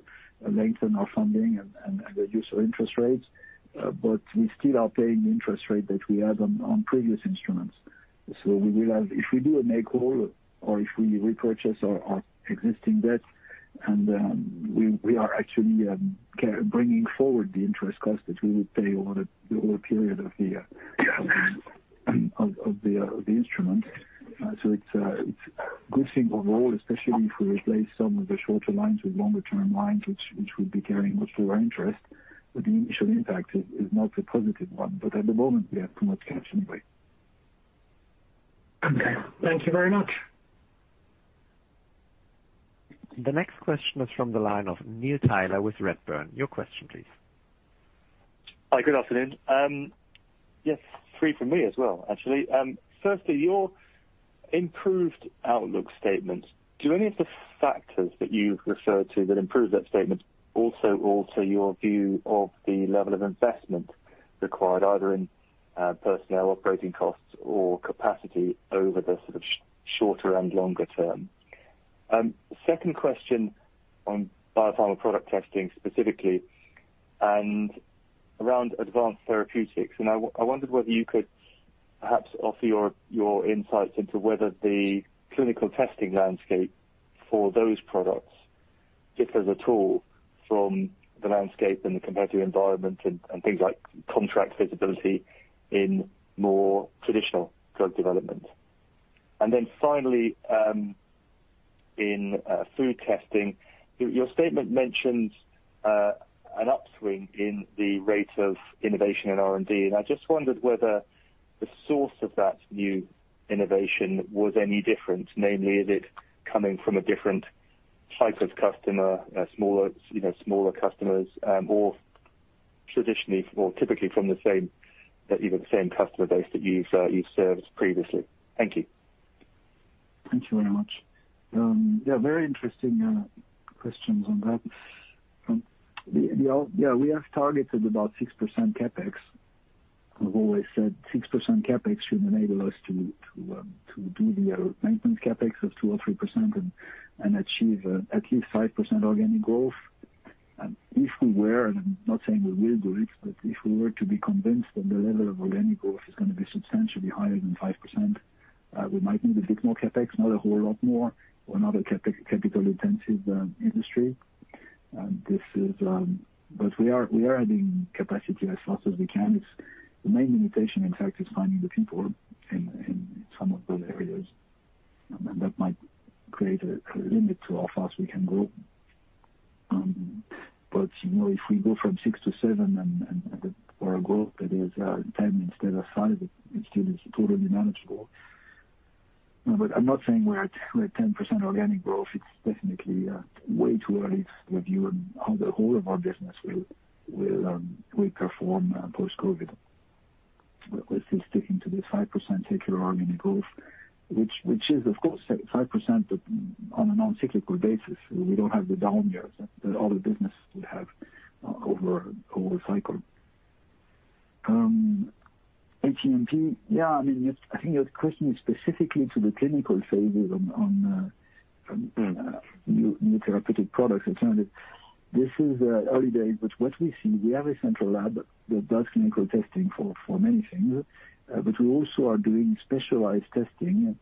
lengthen our funding and reduce our interest rates. We still are paying the interest rate that we had on previous instruments. If we do a make-whole or if we repurchase our existing debt, we are actually bringing forward the interest cost that we would pay over the whole period of the instrument. It's a good thing overall, especially if we replace some of the shorter lines with longer-term lines, which would be carrying much lower interest. The initial impact is not a positive one. At the moment, we have too much cash anyway. Okay. Thank you very much. The next question is from the line of Neil Tyler with Redburn, your question, please. Hi, good afternoon? Yes, three from me as well, actually. Firstly, your improved outlook statement. Do any of the factors that you've referred to that improve that statement also alter your view of the level of investment required, either in personnel operating costs or capacity over the sort of shorter and longer term? Second question on biopharmaceutical testing specifically and around advanced therapeutics, and I wondered whether you could perhaps offer your insights into whether the clinical testing landscape for those products differs at all from the landscape and the competitive environment and things like contract visibility in more traditional drug development. Finally, in food testing, your statement mentions an upswing in the rate of innovation in R&D, and I just wondered whether the source of that new innovation was any different, namely, is it coming from a different type of customer, smaller customers, or traditionally, or typically from the same customer base that you've served previously? Thank you. Thank you very much. Yeah, very interesting questions on that. Yeah, we have targeted about 6% CapEx. We've always said 6% CapEx should enable us to do the maintenance CapEx of 2% or 3% and achieve at least 5% organic growth. If we were, and I'm not saying we will do it, but if we were to be convinced that the level of organic growth is going to be substantially higher than 5%, we might need a bit more CapEx, not a whole lot more. We're not a capital-intensive industry. We are adding capacity as fast as we can. The main limitation, in fact, is finding the people in some of those areas. That might create a limit to how fast we can grow. If we go from 6% to 7% and our growth that is 10% instead of 5%, it still is totally manageable. I'm not saying we are at 10% organic growth. It's definitely way too early to review on how the whole of our business will perform post-COVID. We're still sticking to this 5% secular organic growth, which is, of course, 5% on a non-cyclical basis. We don't have the down years that other business would have over a cycle. ATMP, yeah, I think your question is specifically to the clinical phases on new therapeutic products alternative. This is early days, but what we see, we have a central lab that does clinical testing for many things. We also are doing specialized testing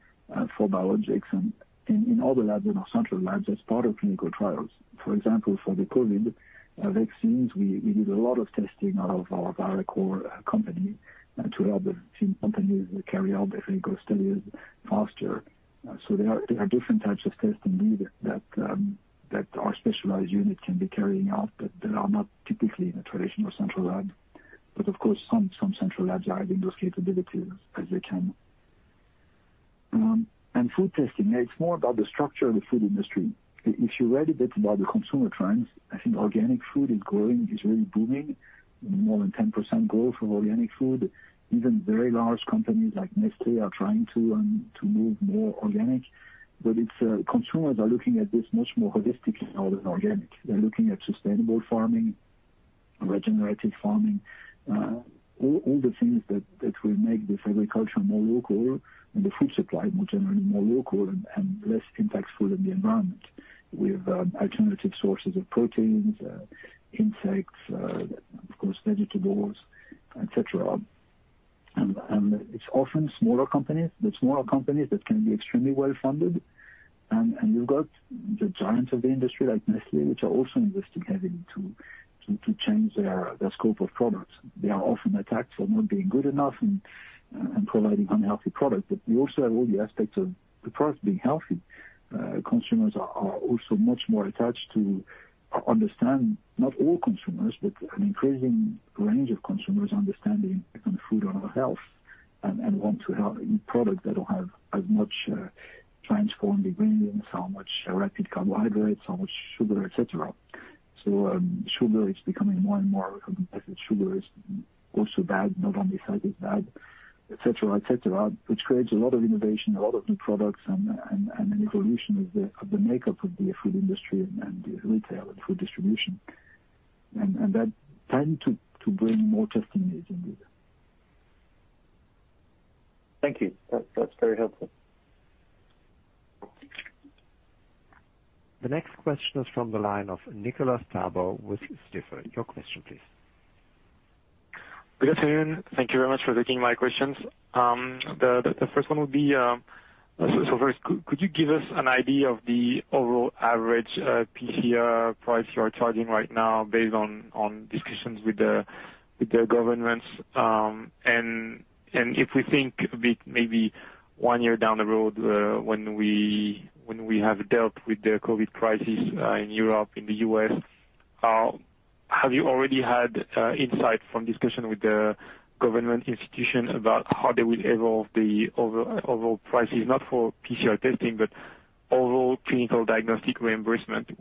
for biologics and in all the labs, in our central labs, as part of clinical trials. For example, for the COVID vaccines, we did a lot of testing out of our Viracor company to help the team companies carry out their clinical studies faster. There are different types of testing needed that our specialized unit can be carrying out that are not typically in a traditional central lab. Of course, some central labs are adding those capabilities as they can. Food testing, it's more about the structure of the food industry. If you read a bit about the consumer trends, I think organic food is growing, is really booming. More than 10% growth of organic food. Even very large companies like Nestlé are trying to move more organic. It's consumers are looking at this much more holistically now than organic. They're looking at sustainable farming, regenerative farming, all the things that will make this agriculture more local and the food supply more generally more local and less impactful on the environment. With alternative sources of proteins, insects, of course, vegetables, et cetera. It's often smaller companies that can be extremely well-funded. You've got the giants of the industry, like Nestlé, which are also investing heavily to change their scope of products. They are often attacked for not being good enough and providing unhealthy products. We also have all the aspects of the product being healthy. Consumers are also much more attached to understand, not all consumers, but an increasing range of consumers understand the impact on food on our health and want to have a product that will have as much transformed ingredients, how much rapid carbohydrates, how much sugar, et cetera. Sugar, it's becoming more and more competitive. Sugar is also bad, not only fat is bad, et cetera. Which creates a lot of innovation, a lot of new products and an evolution of the makeup of the food industry and the retail and food distribution. That tend to bring more testing needs indeed. Thank you. That's very helpful. The next question is from the line of Nicolas Tabor with Stifel, your question, please. Good afternoon? Thank you very much for taking my questions. The first one would be, first, could you give us an idea of the overall average PCR price you are charging right now based on discussions with the governments? If we think a bit maybe one year down the road, when we have dealt with the COVID crisis in Europe, in the U.S., have you already had insight from discussion with the government institution about how they will evolve the overall prices? Not for PCR testing, but overall clinical diagnostic reimbursement.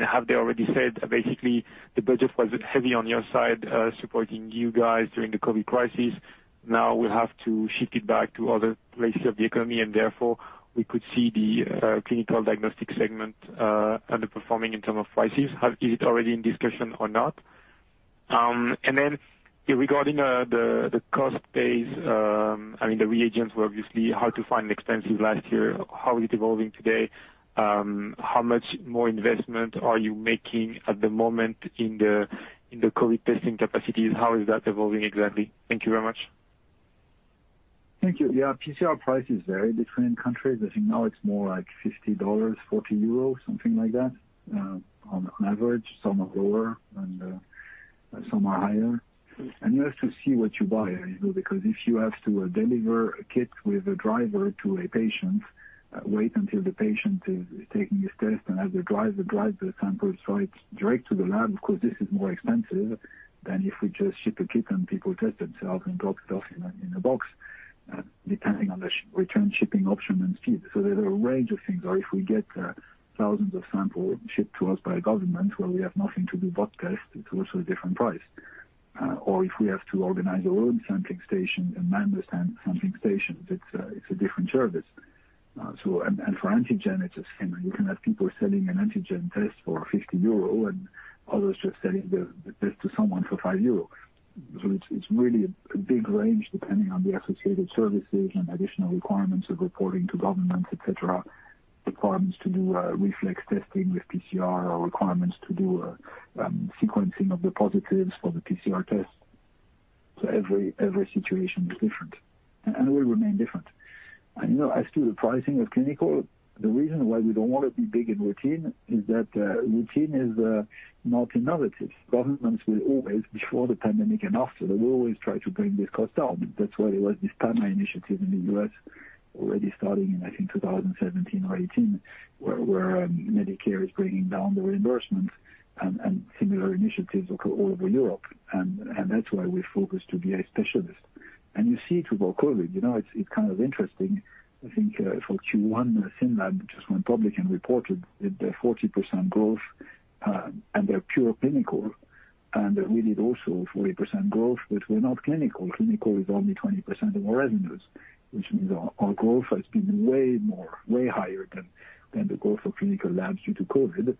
Have they already said, basically, the budget was heavy on your side supporting you guys during the COVID crisis, now we'll have to shift it back to other places of the economy, therefore, we could see the clinical diagnostic segment underperforming in terms of prices. Is it already in discussion or not? Regarding the cost base, the reagents were obviously hard to find and expensive last year. How is it evolving today? How much more investment are you making at the moment in the COVID testing capacities? How is that evolving exactly? Thank you very much. Thank you. Yeah, PCR prices vary between countries. I think now it's more like $50, 40 euros, something like that, on average. Some are lower and some are higher. You have to see what you buy. Because if you have to deliver a kit with a driver to a patient, wait until the patient is taking his test, and have the driver drive the samples right direct to the lab, of course, this is more expensive than if we just ship a kit and people test themselves and drop stuff in a box, depending on the return shipping option and speed. There's a range of things. If we get thousands of samples shipped to us by a government where we have nothing to do but test, it's also a different price. If we have to organize our own sampling station and manage the sampling stations, it's a different service. For antigen, it's the same. You can have people selling an antigen test for 50 euro and others just selling the test to someone for 5 euro. It's really a big range depending on the associated services and additional requirements of reporting to governments, et cetera, requirements to do reflex testing with PCR, or requirements to do sequencing of the positives for the PCR test. Every situation is different and will remain different. As to the pricing of clinical, the reason why we don't want to be big in routine is that routine is not innovative. Governments will always, before the pandemic and after, they will always try to bring these costs down. That's why there was this PAMA initiative in the U.S. already starting in, I think, 2017 or 2018, where Medicare is bringing down the reimbursement and similar initiatives all over Europe. That's why we focus to be a specialist. You see it with COVID. It's kind of interesting, I think for Q1, SYNLAB just went public and reported a 40% growth, and they're pure clinical. We did also 40% growth, but we're not clinical. Clinical is only 20% of our revenues, which means our growth has been way higher than the growth of clinical labs due to COVID.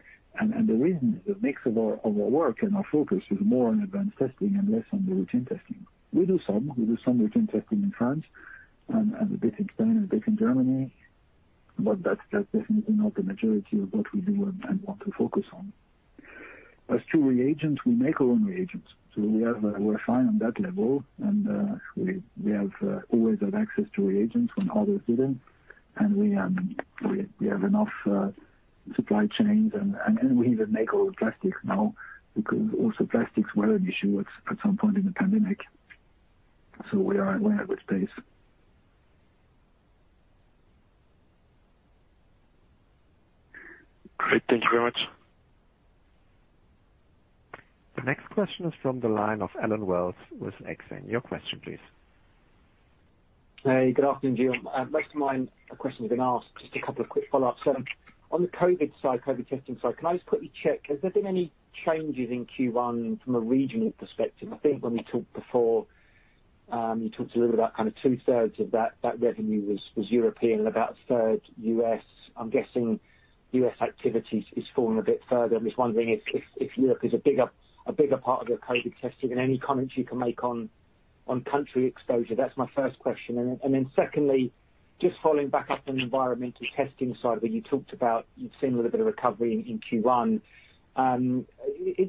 The reason is the mix of our work and our focus is more on advanced testing and less on the routine testing. We do some routine testing in France and a bit in Spain and a bit in Germany, but that's definitely not the majority of what we do and want to focus on. As to reagents, we make our own reagents. We have always had access to reagents when others didn't, and we have enough supply chains, and we even make our own plastics now because also plastics were an issue at some point in the pandemic. We are well at pace. Great. Thank you very much. The next question is from the line of Allen Wells with Exane, your question, please. Hey, good afternoon to you? Most of my question's been asked, just a couple of quick follow-ups. On the COVID side, COVID testing side, can I just quickly check, has there been any changes in Q1 from a regional perspective? I think when we talked before, you talked a little about two-thirds of that revenue was European and about a third U.S. I'm guessing U.S. activities is falling a bit further. I'm just wondering if Europe is a bigger part of your COVID testing, and any comments you can make on country exposure. That's my first question. Secondly, just following back up on the environmental testing side of it, you talked about you've seen a little bit of recovery in Q1.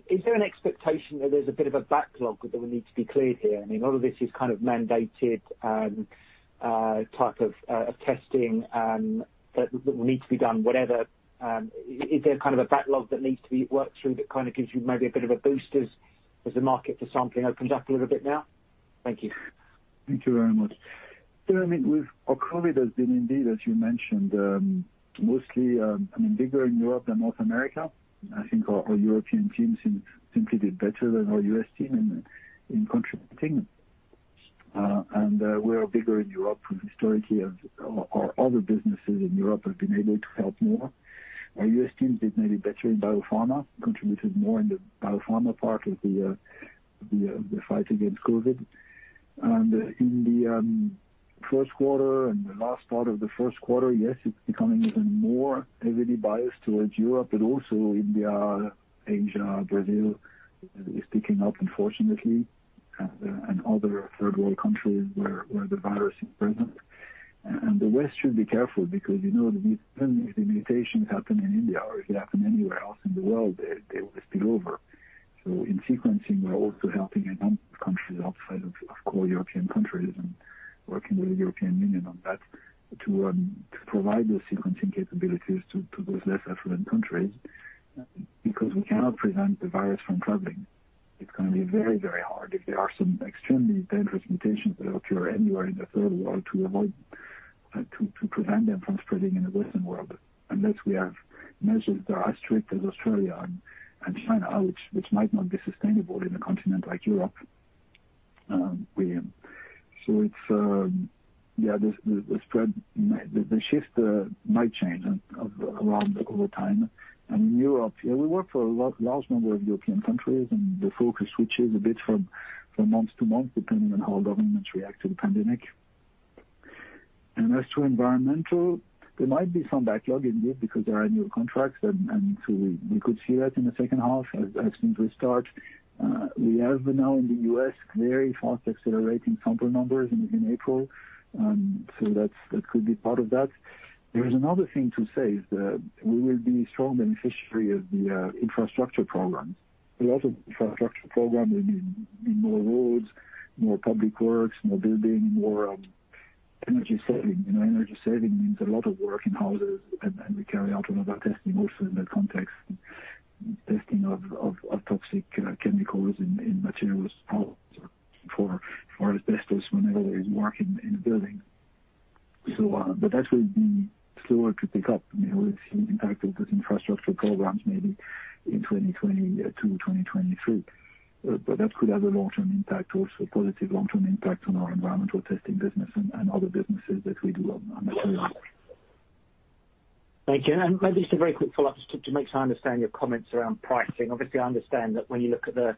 Is there an expectation that there's a bit of a backlog that will need to be cleared here? I mean, a lot of this is kind of mandated type of testing that will need to be done, whatever. Is there a backlog that needs to be worked through that gives you maybe a bit of a boost as the market for sampling opens up a little bit now? Thank you. Thank you very much. I mean, with our COVID has been indeed, as you mentioned, mostly bigger in Europe than North America. I think our European teams simply did better than our U.S. team in contributing. We are bigger in Europe historically as our other businesses in Europe have been able to help more. Our U.S. team did maybe better in biopharma, contributed more in the biopharma part of the fight against COVID. In the first quarter and the last part of the first quarter, yes, it's becoming even more heavily biased towards Europe, but also India, Asia, Brazil is picking up, unfortunately, and other third world countries where the virus is present. The West should be careful because if these mutations happen in India or if they happen anywhere else in the world, they will spill over. In sequencing, we're also helping countries outside of core European countries and working with the European Union on that to provide those sequencing capabilities to those less affluent countries, because we cannot prevent the virus from traveling. It's going to be very, very hard if there are some extremely dangerous mutations that occur anywhere in the Third World to prevent them from spreading in the Western world, unless we have measures that are as strict as Australia and China, which might not be sustainable in a continent like Europe. The shift might change around over time. In Europe, we work for a large number of European countries, and the focus switches a bit from month to month, depending on how governments react to the pandemic. As to environmental, there might be some backlog indeed because there are new contracts, we could see that in the second half as things restart. We have now in the U.S. very fast accelerating sample numbers in April, that could be part of that. There is another thing to say, is that we will be strong beneficiary of the infrastructure programs. A lot of infrastructure programs will mean more roads, more public works, more building, more energy saving. Energy saving means a lot of work in houses, we carry out a lot of our testing also in that context, testing of toxic chemicals in materials or for asbestos whenever there is work in a building. That will be slower to pick up. We will see impact of those infrastructure programs maybe in 2022, 2023. That could have a long-term impact, also positive long-term impact on our environmental testing business and other businesses that we do on materials. Thank you. Maybe just a very quick follow-up just to make sure I understand your comments around pricing. Obviously, I understand that when you look at the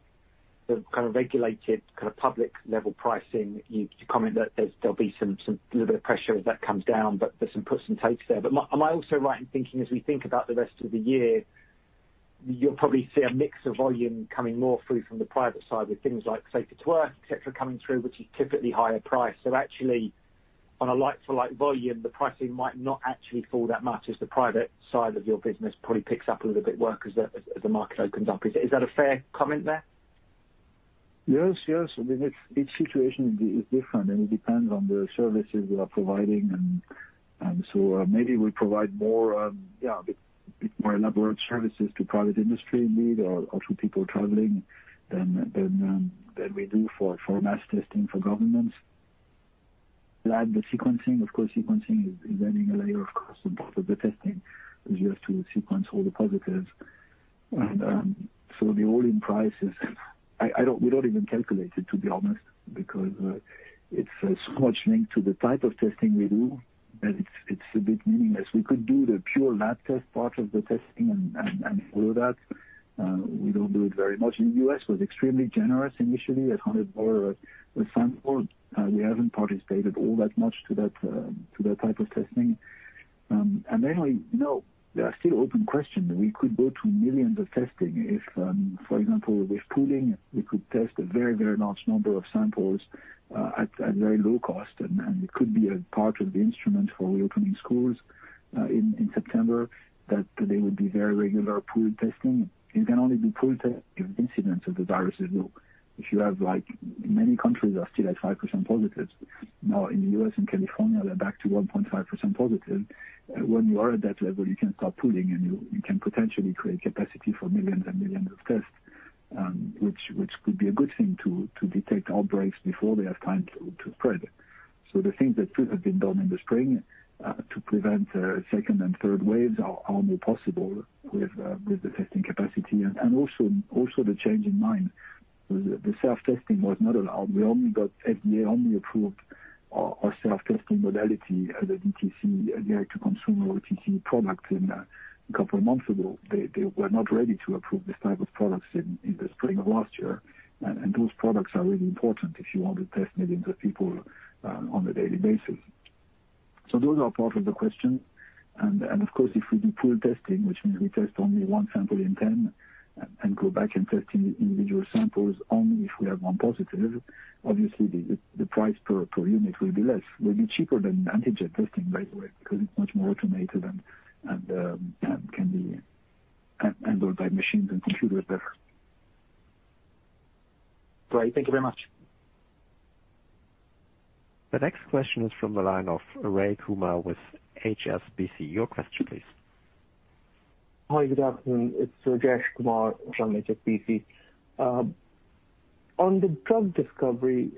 kind of regulated public level pricing, you comment that there'll be a little bit of pressure as that comes down, but there's some puts and takes there. Am I also right in thinking as we think about the rest of the year, you'll probably see a mix of volume coming more through from the private side with things like SAFER@WORK, et cetera, coming through, which is typically higher priced. Actually, on a like for like volume, the pricing might not actually fall that much as the private side of your business probably picks up a little bit work as the market opens up. Is that a fair comment there? Yes. Each situation is different, it depends on the services we are providing. Maybe we provide more elaborate services to private industry indeed or to people traveling than we do for mass testing for governments. Add the sequencing. Of course, sequencing is adding a layer of cost on top of the testing, as you have to sequence all the positives. The all-in price is, we don't even calculate it, to be honest, because it's so much linked to the type of testing we do that it's a bit meaningless. We could do the pure lab test part of the testing and bill that. We don't do it very much. The U.S. was extremely generous initially at $100 a sample. We haven't participated all that much to that type of testing. There are still open questions. We could go to millions of testing if, for example, with pooling, we could test a very large number of samples at very low cost. It could be a part of the instrument for reopening schools in September, that there would be very regular pool testing. It can only be pool testing if incidence of the virus is low. If you have, like many countries are still at 5% positives. Now in the U.S. and California, they're back to 1.5% positive. When you are at that level, you can start pooling, and you can potentially create capacity for millions and millions of tests, which could be a good thing to detect outbreaks before they have time to spread. The things that should have been done in the spring to prevent second and third waves are more possible with the testing capacity and also the change in mind. The self-testing was not allowed. FDA only approved our self-testing modality as a DTC, direct to consumer OTC product a couple of months ago. They were not ready to approve this type of products in the spring of last year. Those products are really important if you want to test millions of people on a daily basis. Those are part of the question. Of course, if we do pool testing, which means we test only one sample in 10 and go back and test individual samples only if we have one positive, obviously the price per unit will be less, will be cheaper than antigen testing, by the way, because it's much more automated and can be handled by machines and computers better. Great. Thank you very much. The next question is from the line of Rajesh Kumar with HSBC, your question, please. Hi, good afternoon? It's Rajesh Kumar from HSBC. On the drug discovery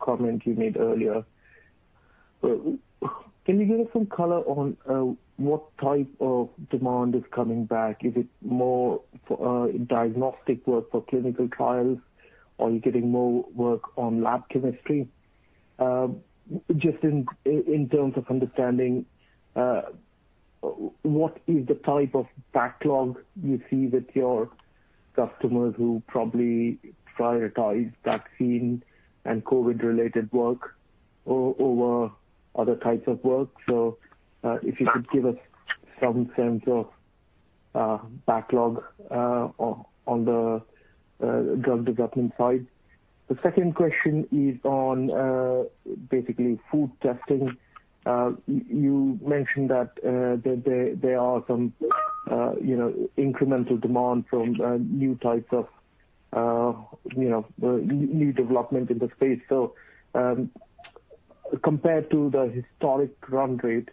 comment you made earlier, can you give us some color on what type of demand is coming back? Is it more diagnostic work for clinical trials? Are you getting more work on lab chemistry? Just in terms of understanding what is the type of backlog you see with your customers who probably prioritize vaccine and COVID-related work over other types of work. If you could give us some sense of backlog on the drug development side. The second question is on basically food testing. You mentioned that there are some incremental demand from new types of new development in the space. Compared to the historic run rate,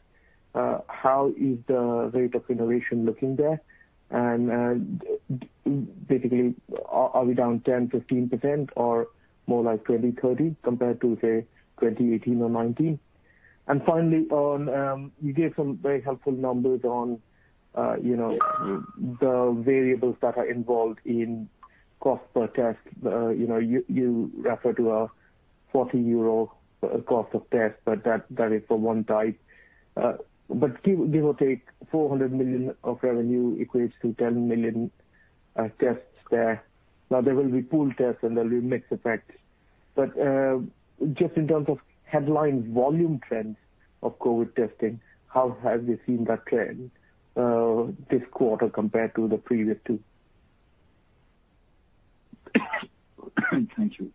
how is the rate of innovation looking there? Are we down 10%-15% or more like 20%-30% compared to, say, 2018 or 2019? Finally, you gave some very helpful numbers on the variables that are involved in cost per test. You refer to a 40 euro cost of test, but that is for one type. Give or take 400 million of revenue equates to 10 million tests there. Now, there will be pool tests, and there'll be mix effect. Just in terms of headline volume trends of COVID testing, how have you seen that trend this quarter compared to the previous two? Thank you.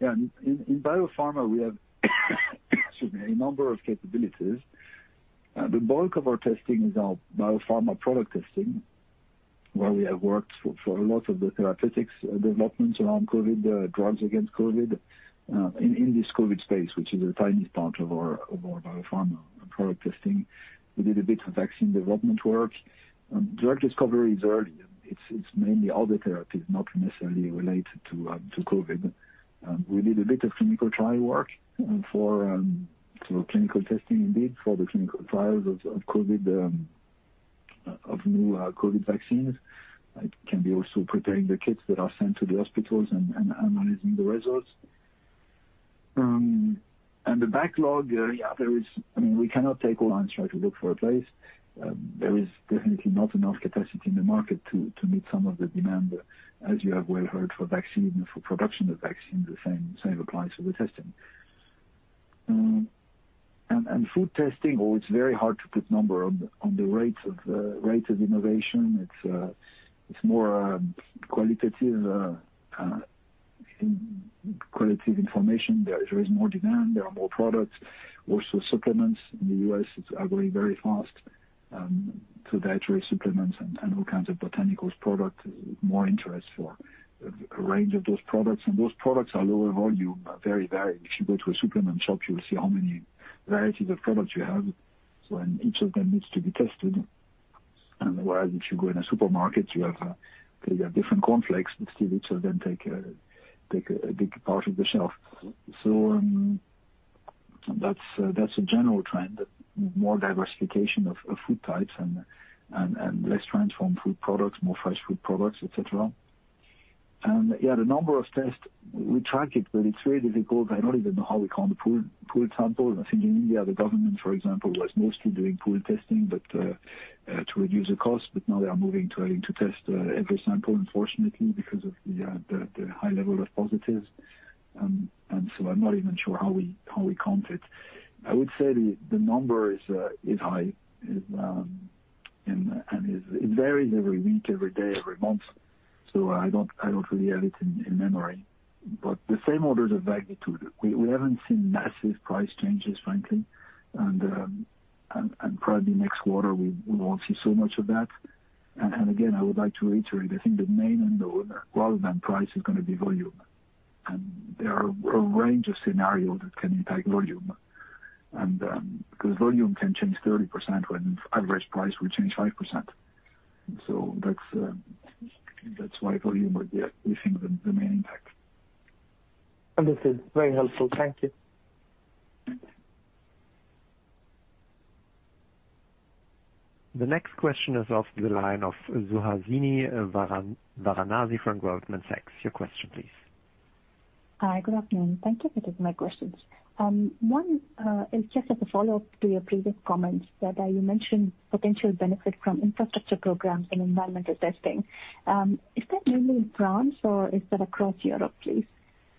Yeah. In biopharma, we have excuse me, a number of capabilities. The bulk of our testing is our biopharma product testing, where we have worked for a lot of the therapeutics developments around COVID, drugs against COVID, in this COVID space, which is a tiny part of our biopharma product testing. We did a bit of vaccine development work. Drug discovery is early. It's mainly other therapies not necessarily related to COVID. We did a bit of clinical trial work for sort of clinical testing indeed for the clinical trials of COVID of new COVID vaccines. It can be also preparing the kits that are sent to the hospitals and analyzing the results. The backlog, yeah, we cannot take all and try to look for a place. There is definitely not enough capacity in the market to meet some of the demand, as you have well heard, for vaccine and for production of vaccines. The same applies to the testing. Food testing, it's very hard to put number on the rates of innovation. It's more qualitative information. There is more demand. There are more products. Also supplements in the U.S. are growing very fast, so dietary supplements and all kinds of botanicals product, more interest for a range of those products. Those products are lower volume, but very varied. If you go to a supplement shop, you will see how many varieties of products you have, and each of them needs to be tested. Whereas if you go in a supermarket, you have different cornflakes, but still each of them take a big part of the shelf. That's a general trend, more diversification of food types and less transformed food products, more fresh food products, et cetera. Yeah, the number of tests, we track it, but it's very difficult. I don't even know how we count the pool sample. I think in India, the government, for example, was mostly doing pool testing, to reduce the cost, but now they are moving to having to test every sample, unfortunately, because of the high level of positives. I'm not even sure how we count it. I would say the number is high, and it varies every week, every day, every month, so I don't really have it in memory. The same orders of magnitude. We haven't seen massive price changes, frankly. Probably next quarter, we won't see so much of that. Again, I would like to reiterate, I think the main order rather than price is going to be volume. There are a range of scenarios that can impact volume. Volume can change 30% when average price will change 5%. That's why volume would be, we think, the main impact. Understood. Very helpful. Thank you. The next question is on the line of Suhasini Varanasi from Goldman Sachs, your question, please. Hi. Good afternoon? Thank you for taking my questions. One is as a follow-up to your previous comments that you mentioned potential benefit from infrastructure programs in environmental testing. Is that mainly in France or is that across Europe, please?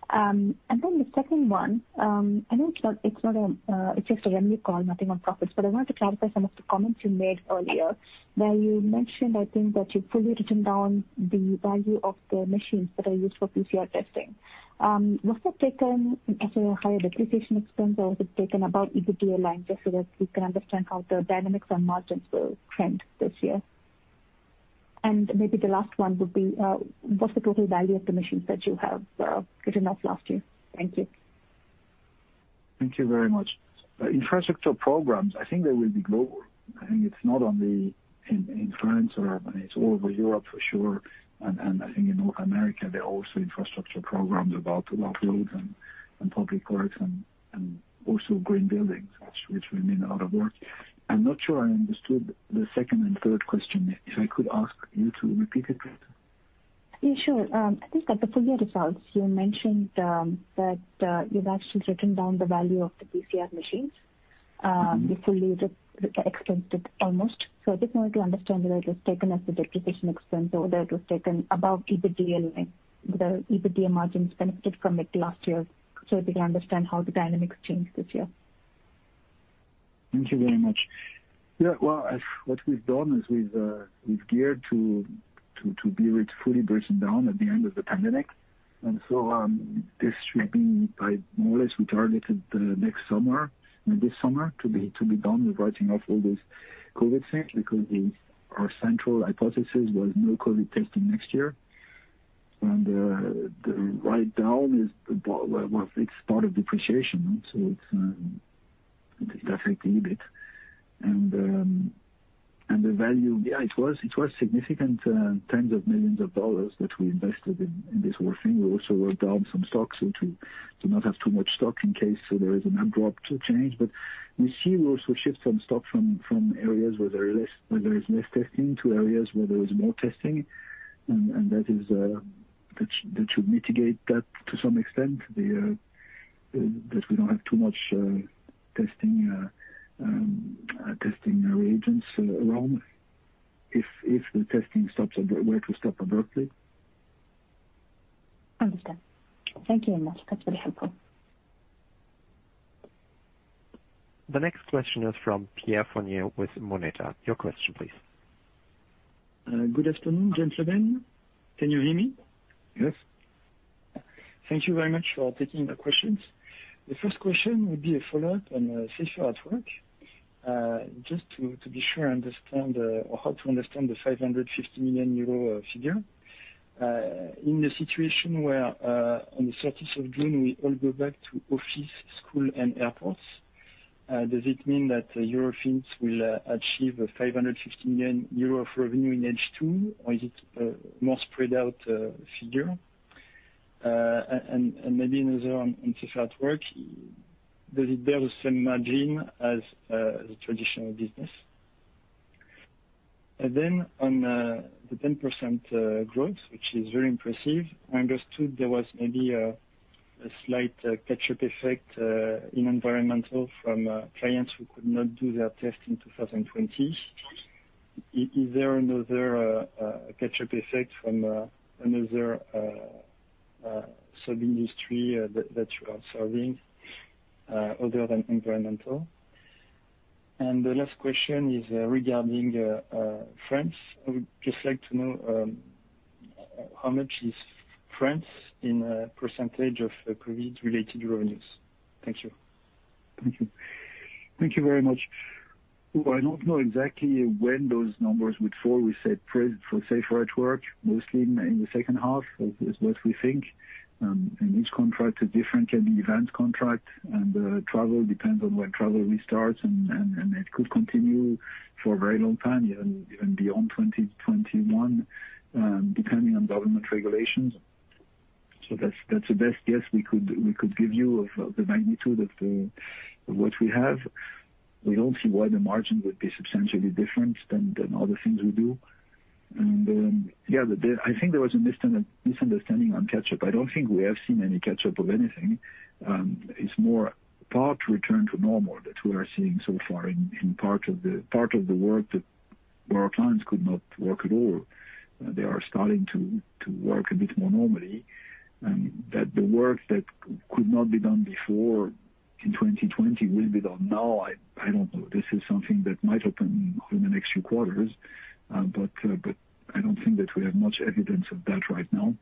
The second one, I know it's just a revenue call, nothing on profits, but I wanted to clarify some of the comments you made earlier where you mentioned that you've fully written down the value of the machines that are used for PCR testing. Was that taken as a higher depreciation expense, or was it taken above EBITDA line, just so that we can understand how the dynamics and margins will trend this year? The last one would be, what's the total value of the machines that you have written off last year? Thank you. Thank you very much. Infrastructure programs, I think they will be global. I think it's not only in France or it's all over Europe for sure, and I think in North America, there are also infrastructure programs about workloads and public works and also green buildings, which will mean a lot of work. I'm not sure I understood the second and third question. If I could ask you to repeat it, please. Yeah, sure. I think that the full year results, you mentioned that you've actually written down the value of the PCR machines. You fully just expensed it almost. I just wanted to understand whether it was taken as a depreciation expense or whether it was taken above EBITDA line, whether EBITDA margins benefited from it last year, so we can understand how the dynamics change this year. Thank you very much. Yeah. Well, what we've done is we've geared to be fully written down at the end of the pandemic, this should be by more or less, we targeted next summer, I mean, this summer to be done with writing off all those COVID tests because our central hypothesis was no COVID testing next year. The write-down, it is part of depreciation, so it does affect the EBIT. The value, yeah, it was significant, tens of millions of dollars that we invested in this whole thing. We also wrote down some stocks to not have too much stock in case there is an abrupt change. We also shift some stock from areas where there is less testing to areas where there is more testing, and that should mitigate that to some extent, that we don't have too much testing reagents around if the testing were to stop abruptly. Understood. Thank you very much. That's very helpful. The next question is from Pierre Fournier with Moneta, your question, please. Good afternoon, gentlemen. Can you hear me? Yes. Thank you very much for taking the questions. The first question would be a follow-up on SAFER@WORK. Just to be sure I understand, or how to understand the 550 million euro figure. In the situation where, on the 30th of June, we all go back to office, school, and airports, does it mean that Eurofins will achieve 550 million euro of revenue in H2, or is it a more spread out figure? Maybe another on SAFER@WORK. Does it bear the same margin as the traditional business? On the 10% growth, which is very impressive, I understood there was maybe a slight catch-up effect in environmental from clients who could not do their test in 2020. Is there another catch-up effect from another sub-industry that you are serving other than environmental? The last question is regarding France. I would just like to know how much is France in percentage of COVID-related revenues. Thank you. Thank you. Thank you very much. I don't know exactly when those numbers would fall. We said for SAFER@WORK mostly in the second half is what we think. Each contract is different. Can be event contract and travel depends on when travel restarts, and it could continue for a very long time, even beyond 2021, depending on government regulations. That's the best guess we could give you of the magnitude of what we have. We don't see why the margin would be substantially different than other things we do. I think there was a misunderstanding on catch-up. I don't think we have seen any catch-up of anything. It's more part return to normal that we are seeing so far in part of the work where our clients could not work at all. They are starting to work a bit more normally, and that the work that could not be done before in 2020 will be done now. I don't know. This is something that might happen in the next few quarters. I don't think that we have much evidence of that right now.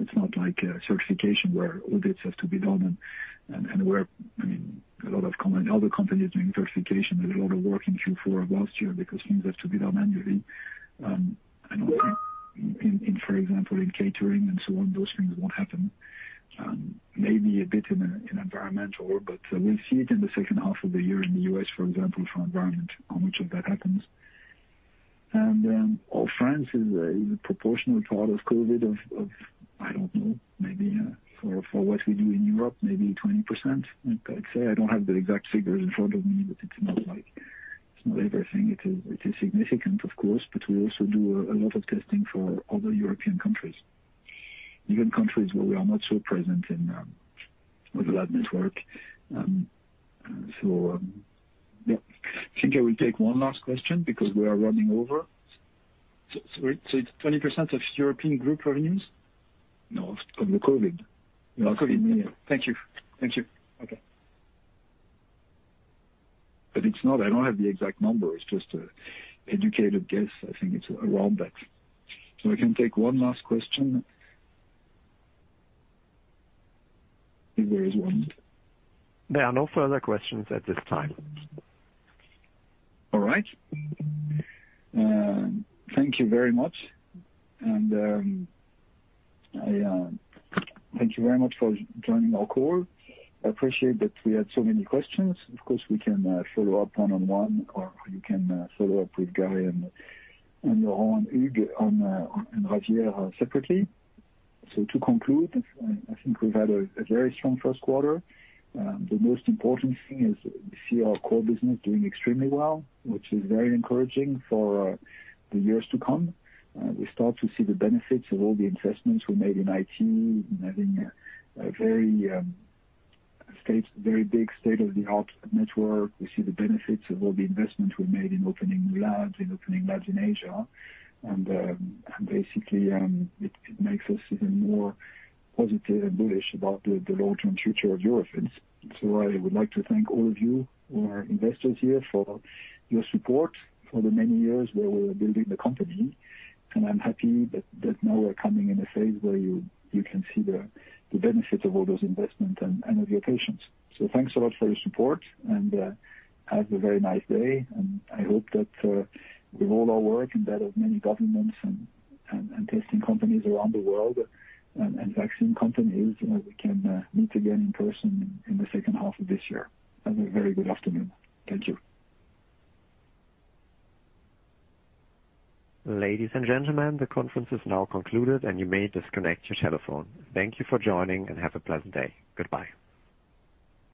It's not like certification where audits have to be done and where a lot of common other companies doing certification, there's a lot of work in Q4 of last year because things have to be done annually. I don't think in, for example, in catering and so on, those things won't happen. Maybe a bit in environmental, but we'll see it in the second half of the year in the U.S., for example, for environment, how much of that happens. France is a proportional part of COVID of, I don't know, maybe for what we do in Europe, maybe 20%. Like I say, I don't have the exact figures in front of me, but it's not everything. It is significant, of course, but we also do a lot of testing for other European countries, even countries where we are not so present with a lab network. I think I will take one last question because we are running over. It's 20% of European group revenues? No, of the COVID. Of COVID. Thank you. Okay. It's not, I don't have the exact number. It's just an educated guess. I think it's around that. I can take one last question if there is one. There are no further questions at this time. All right. Thank you very much. Thank you very much for joining our call. I appreciate that we had so many questions. Of course, we can follow up one-on-one, or you can follow up with Guy and Laurent, Hugues, and Javier separately. To conclude, I think we've had a very strong first quarter. The most important thing is we see our core business doing extremely well, which is very encouraging for the years to come. We start to see the benefits of all the investments we made in IT and having a very big state-of-the-art network. We see the benefits of all the investments we made in opening labs in Asia. Basically, it makes us even more positive and bullish about the long-term future of Eurofins. I would like to thank all of you who are investors here for your support for the many years where we are building the company, and I am happy that now we are coming in a phase where you can see the benefits of all those investments and of your patience. Thanks a lot for your support, and have a very nice day, and I hope that with all our work and that of many governments and testing companies around the world and vaccine companies, we can meet again in person in the second half of this year. Have a very good afternoon. Thank you. Ladies and gentlemen, the conference is now concluded, and you may disconnect your telephone. Thank you for joining, and have a pleasant day. Goodbye.